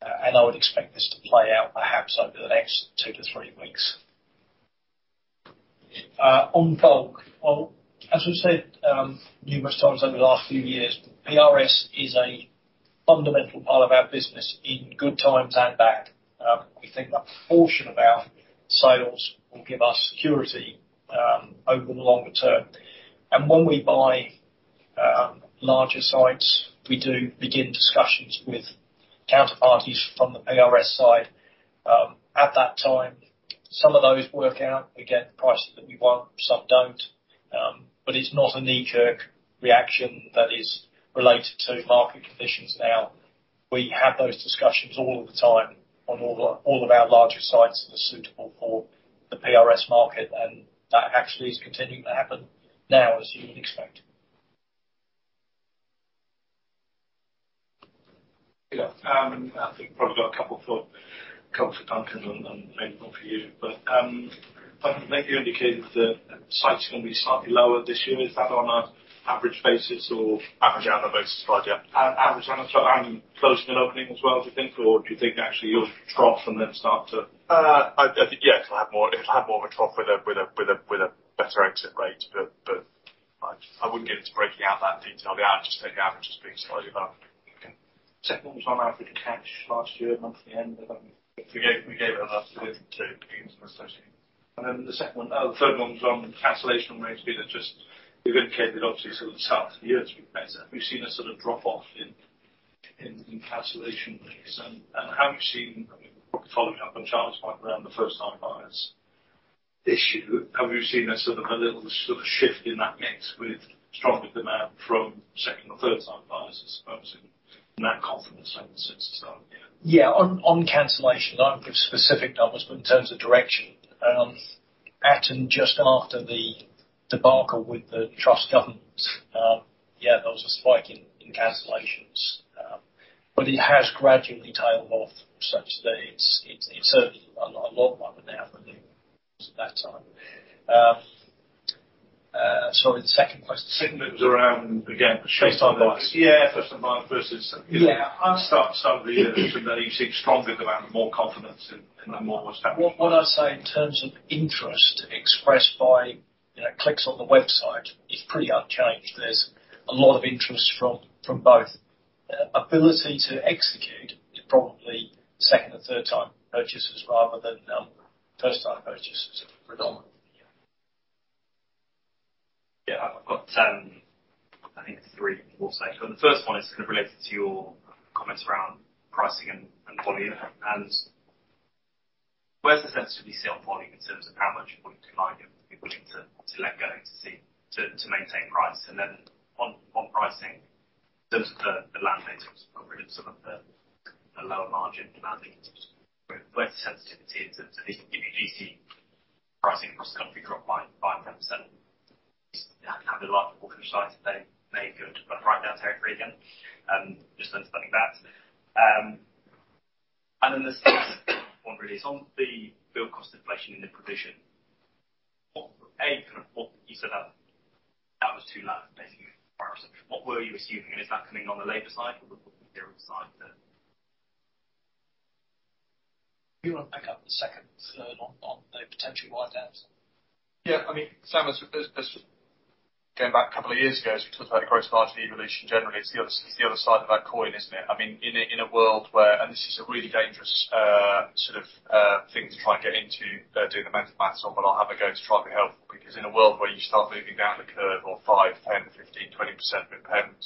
I would expect this to play out perhaps over the next 2-3 weeks. On bulk, well, as we've said, numerous times over the last few years, PRS is a fundamental part of our business in good times and bad. We think that portion of our sales will give us security over the longer term. When we buy larger sites, we do begin discussions with counterparties from the PRS side at that time, some of those work out, we get prices that we want, some don't, it's not a knee-jerk reaction that is related to market conditions now. We have those discussions all of the time on all of our larger sites that are suitable for the PRS market, that actually is continuing to happen now, as you would expect. Yeah. I think probably got a couple for Duncan and maybe one for you. Duncan, you indicated that sites are gonna be slightly lower this year. Is that on an average basis? Average annual basis, right, yeah. average annual, closing and opening as well, do you think? Do you think actually you'll trough from then start to- I think, yes, I have more, it'll have more of a trough with a better exit rate. I wouldn't get into breaking out that detail. The averages being slightly lower. Okay. Second one was on average cash last year, month-to-end. We gave it last year too. The second one. The third one was on cancellation rates being. You've indicated obviously sort of the start of the year to be better. Have you seen a sort of drop-off in cancellation rates? Have you seen, probably following up on Charles' point around the first time buyers issue, have you seen a sort of a little sort of shift in that mix with stronger demand from second or third time buyers, I suppose, and that confidence level since the start of the year? Yeah. On cancellation, I don't give specific numbers, but in terms of direction, at and just after the debacle with the Truss government, yeah, there was a spike in cancellations. It has gradually tailed off such that it's a lot lower now than it was at that time. Sorry, the second question. Second bit was around, again, first time buyers. Yeah, first time buyer versus- Yeah. I'll start. From the stronger demand, more confidence in the more established. What I'd say in terms of interest expressed by, you know, clicks on the website, it's pretty unchanged. There's a lot of interest from both. Ability to execute is probably second or third time purchasers rather than first time purchasers predominantly. Yeah. Yeah. I've got, I think it's three more sections. The first one is kind of related to your comments around pricing and volume. Where's the sensitivity sit on volume in terms of how much volume do you like and be willing to let go to see to maintain price? On pricing, in terms of the land banks, obviously got rid of some of the lower margin land banks. Where's the sensitivity in terms of if you do see pricing across the country drop by 5%, 10%? You have a lot of walkable sites that may look to write down to category again. Just understanding that. The second one really is on the build cost inflation in the provision. What kind of what you said that was too low, basically. What were you assuming? Is that coming on the labor side or the material side that. You wanna pick up the second and third on the potential write-downs? Yeah. I mean, Sam, as going back a couple of years ago, as we talked about gross margin evolution generally, it's the other side of that coin, isn't it? I mean, in a world where, and this is a really dangerous sort of thing to try and get into doing the mental math on, but I'll have a go to try and be helpful. In a world where you start moving down the curve of 5%, 10%, 15%, 20% impairment,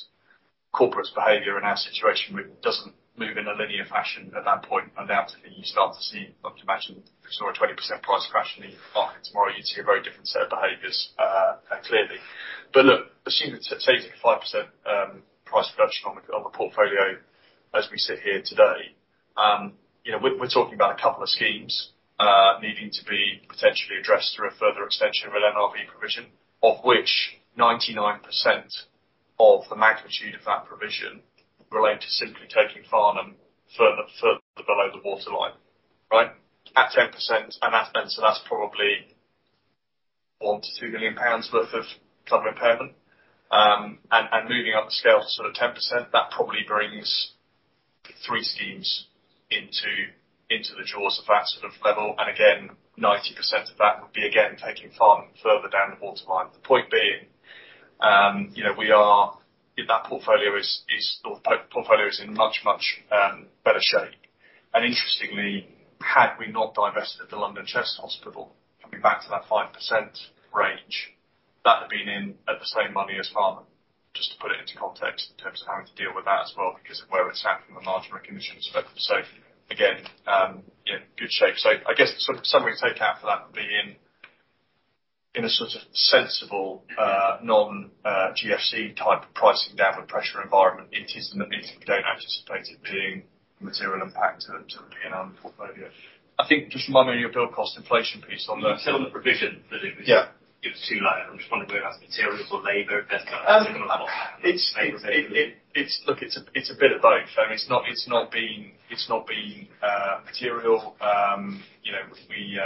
corporates' behavior in our situation doesn't move in a linear fashion at that point, undoubtedly. You start to see, like you mentioned, if you saw a 20% price crash in the market tomorrow, you'd see a very different set of behaviors, clearly. Look, assuming taking a 5% price reduction on the, on the portfolio as we sit here today, you know, we're talking about a couple of schemes needing to be potentially addressed through a further extension of an MRV provision, of which 99% of the magnitude of that provision relate to simply taking Farnham further below the waterline. Right? At 10%, and that's then, so that's probably 1 million-2 million pounds worth of club impairment. Moving up the scale to sort of 10%, that probably brings three schemes into the jaws of that sort of level. Again, 90% of that would be again, taking Farnham further down the waterline. The point being, you know, The portfolio is in much better shape. Interestingly, had we not divested the London Chest Hospital, coming back to that 5% range, that had been in at the same money as Farnham, just to put it into context in terms of having to deal with that as well, because of where it sat from a margin recognition perspective. Again, yeah, good shape. I guess sort of summary take out for that would be in a sort of sensible, non, GFC type of pricing downward pressure environment, it is in the business. We don't anticipate it being a material impact to the PN Home portfolio. I think just remind me your build cost inflation piece on the. You said on the provision that it was. Yeah. It was too low. I'm just wondering where that's material for labor. It's a bit of both. I mean, it's not, it's not been material. You know, we.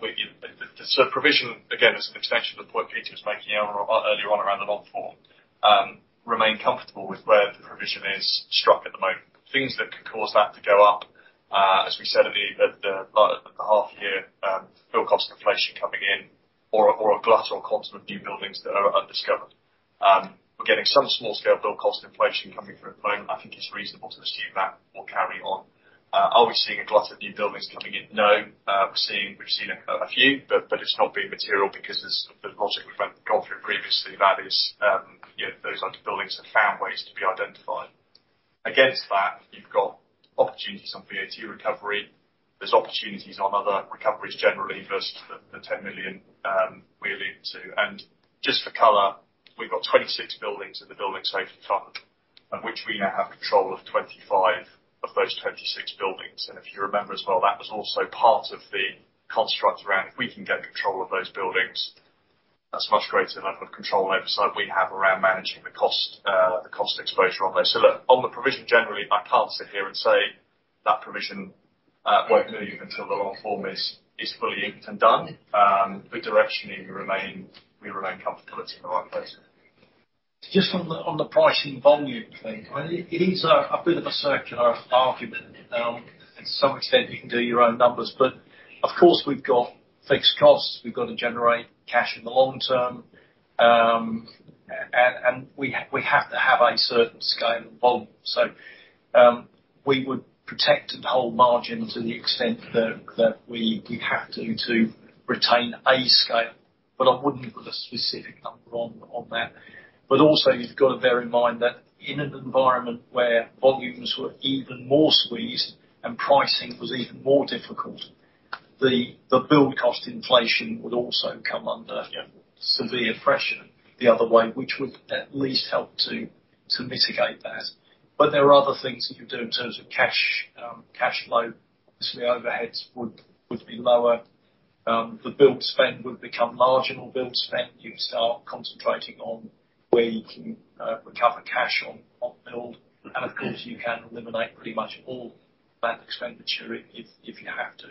The sort of provision, again, as an extension to the point Peter was making earlier on around the long form, remain comfortable with where the provision is struck at the moment. Things that could cause that to go up, as we said at the half year, build cost inflation coming in or a glut or concept of new buildings that are undiscovered. We're getting some small scale build cost inflation coming through at the moment. I think it's reasonable to assume that will carry on. Are we seeing a lot of new buildings coming in? No. We've seen a few, but it's not been material because as the logic we've gone through previously, that is, you know, those types of buildings have found ways to be identified. Against that, you've got opportunities on VAT recovery. There's opportunities on other recoveries generally versus the 10 million we're leaning to. Just for color, we've got 26 buildings in the Building Safety Fund of which we now have control of 25 of those 26 buildings. If you remember as well, that was also part of the construct around if we can get control of those buildings, that's much greater level of control and oversight we have around managing the cost exposure on those. Look, on the provision, generally, I can't sit here and say that provision won't move until the long form is fully inked and done. Directionally we remain comfortable it's in the right place. Just on the, on the pricing volume thing. I mean, it is a bit of a circular argument. To some extent you can do your own numbers, but of course we've got fixed costs. We've got to generate cash in the long term. And we have to have a certain scale and volume. We would protect and hold margin to the extent that we have to retain a scale, but I wouldn't put a specific number on that. You've got to bear in mind that in an environment where volumes were even more squeezed and pricing was even more difficult, the build cost inflation would also come under. Yeah. severe pressure the other way, which would at least help to mitigate that. There are other things that you do in terms of cash flow. Obviously, overheads would be lower. The build spend would become marginal build spend. You'd start concentrating on where you can recover cash on build. Of course, you can eliminate pretty much all bad expenditure if you have to.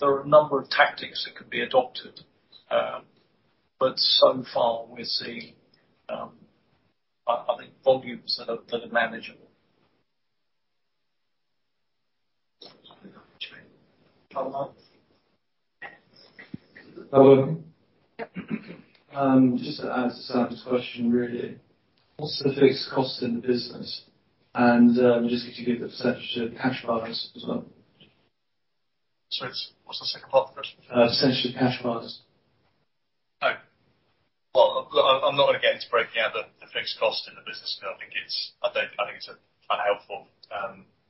There are a number of tactics that could be adopted, but so far we're seeing, I think volumes that are manageable. Hello. Yep. Just to add to Sam's question. What's the fixed cost in the business? Just could you give the percentage of cash balance as well? Sorry, what's the second part of the question? Percentage of cash balance. Oh. Well, look, I'm not gonna get into breaking out the fixed cost in the business. You know, I think it's... I think it's unhelpful,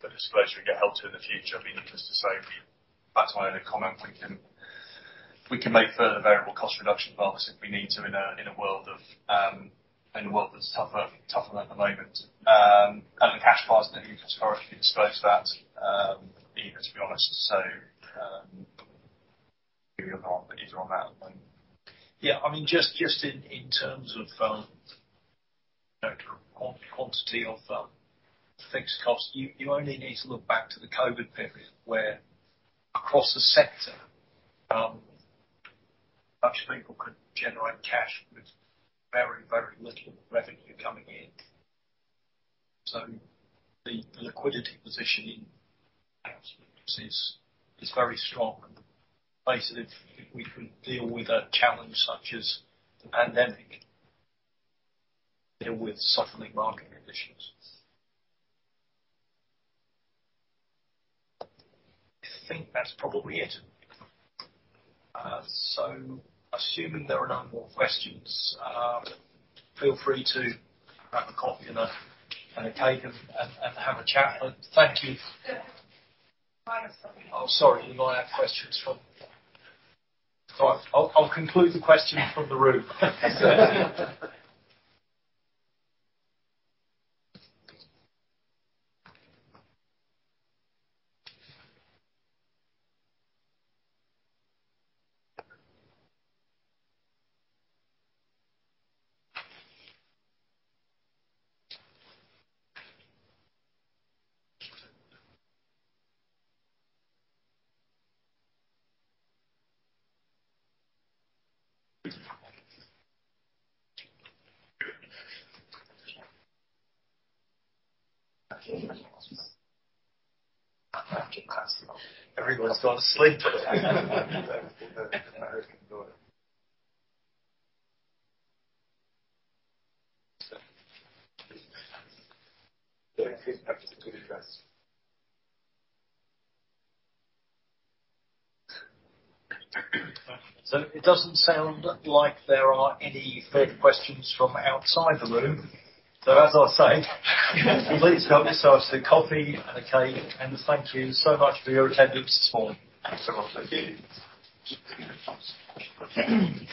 the disclosure we give out to in the future. I mean, needless to say, back to my other comment, we can, we can make further variable cost reduction marks if we need to in a, in a world of, in a world that's tougher than at the moment. The cash balance that you can historically disclose that, you know, to be honest. Give me a moment, can you draw that one? I mean, just in terms of, you know, quantity of fixed costs, you only need to look back to the COVID-19 period where across the sector, bunch of people could generate cash with very, very little revenue coming in. So the liquidity position in house is very strong. Basically, if we could deal with a challenge such as the pandemic, deal with softening market conditions. I think that's probably it. Assuming there are no more questions, feel free to grab a coffee and a cake and have a chat. Thank you. Oh, sorry. You might have questions from. All right. I'll conclude the questions from the room. Everyone's gone to sleep. It doesn't sound like there are any further questions from outside the room. As I was saying, please help yourself to coffee and a cake. Thank you so much for your attendance this morning. Thanks so much. Thank you.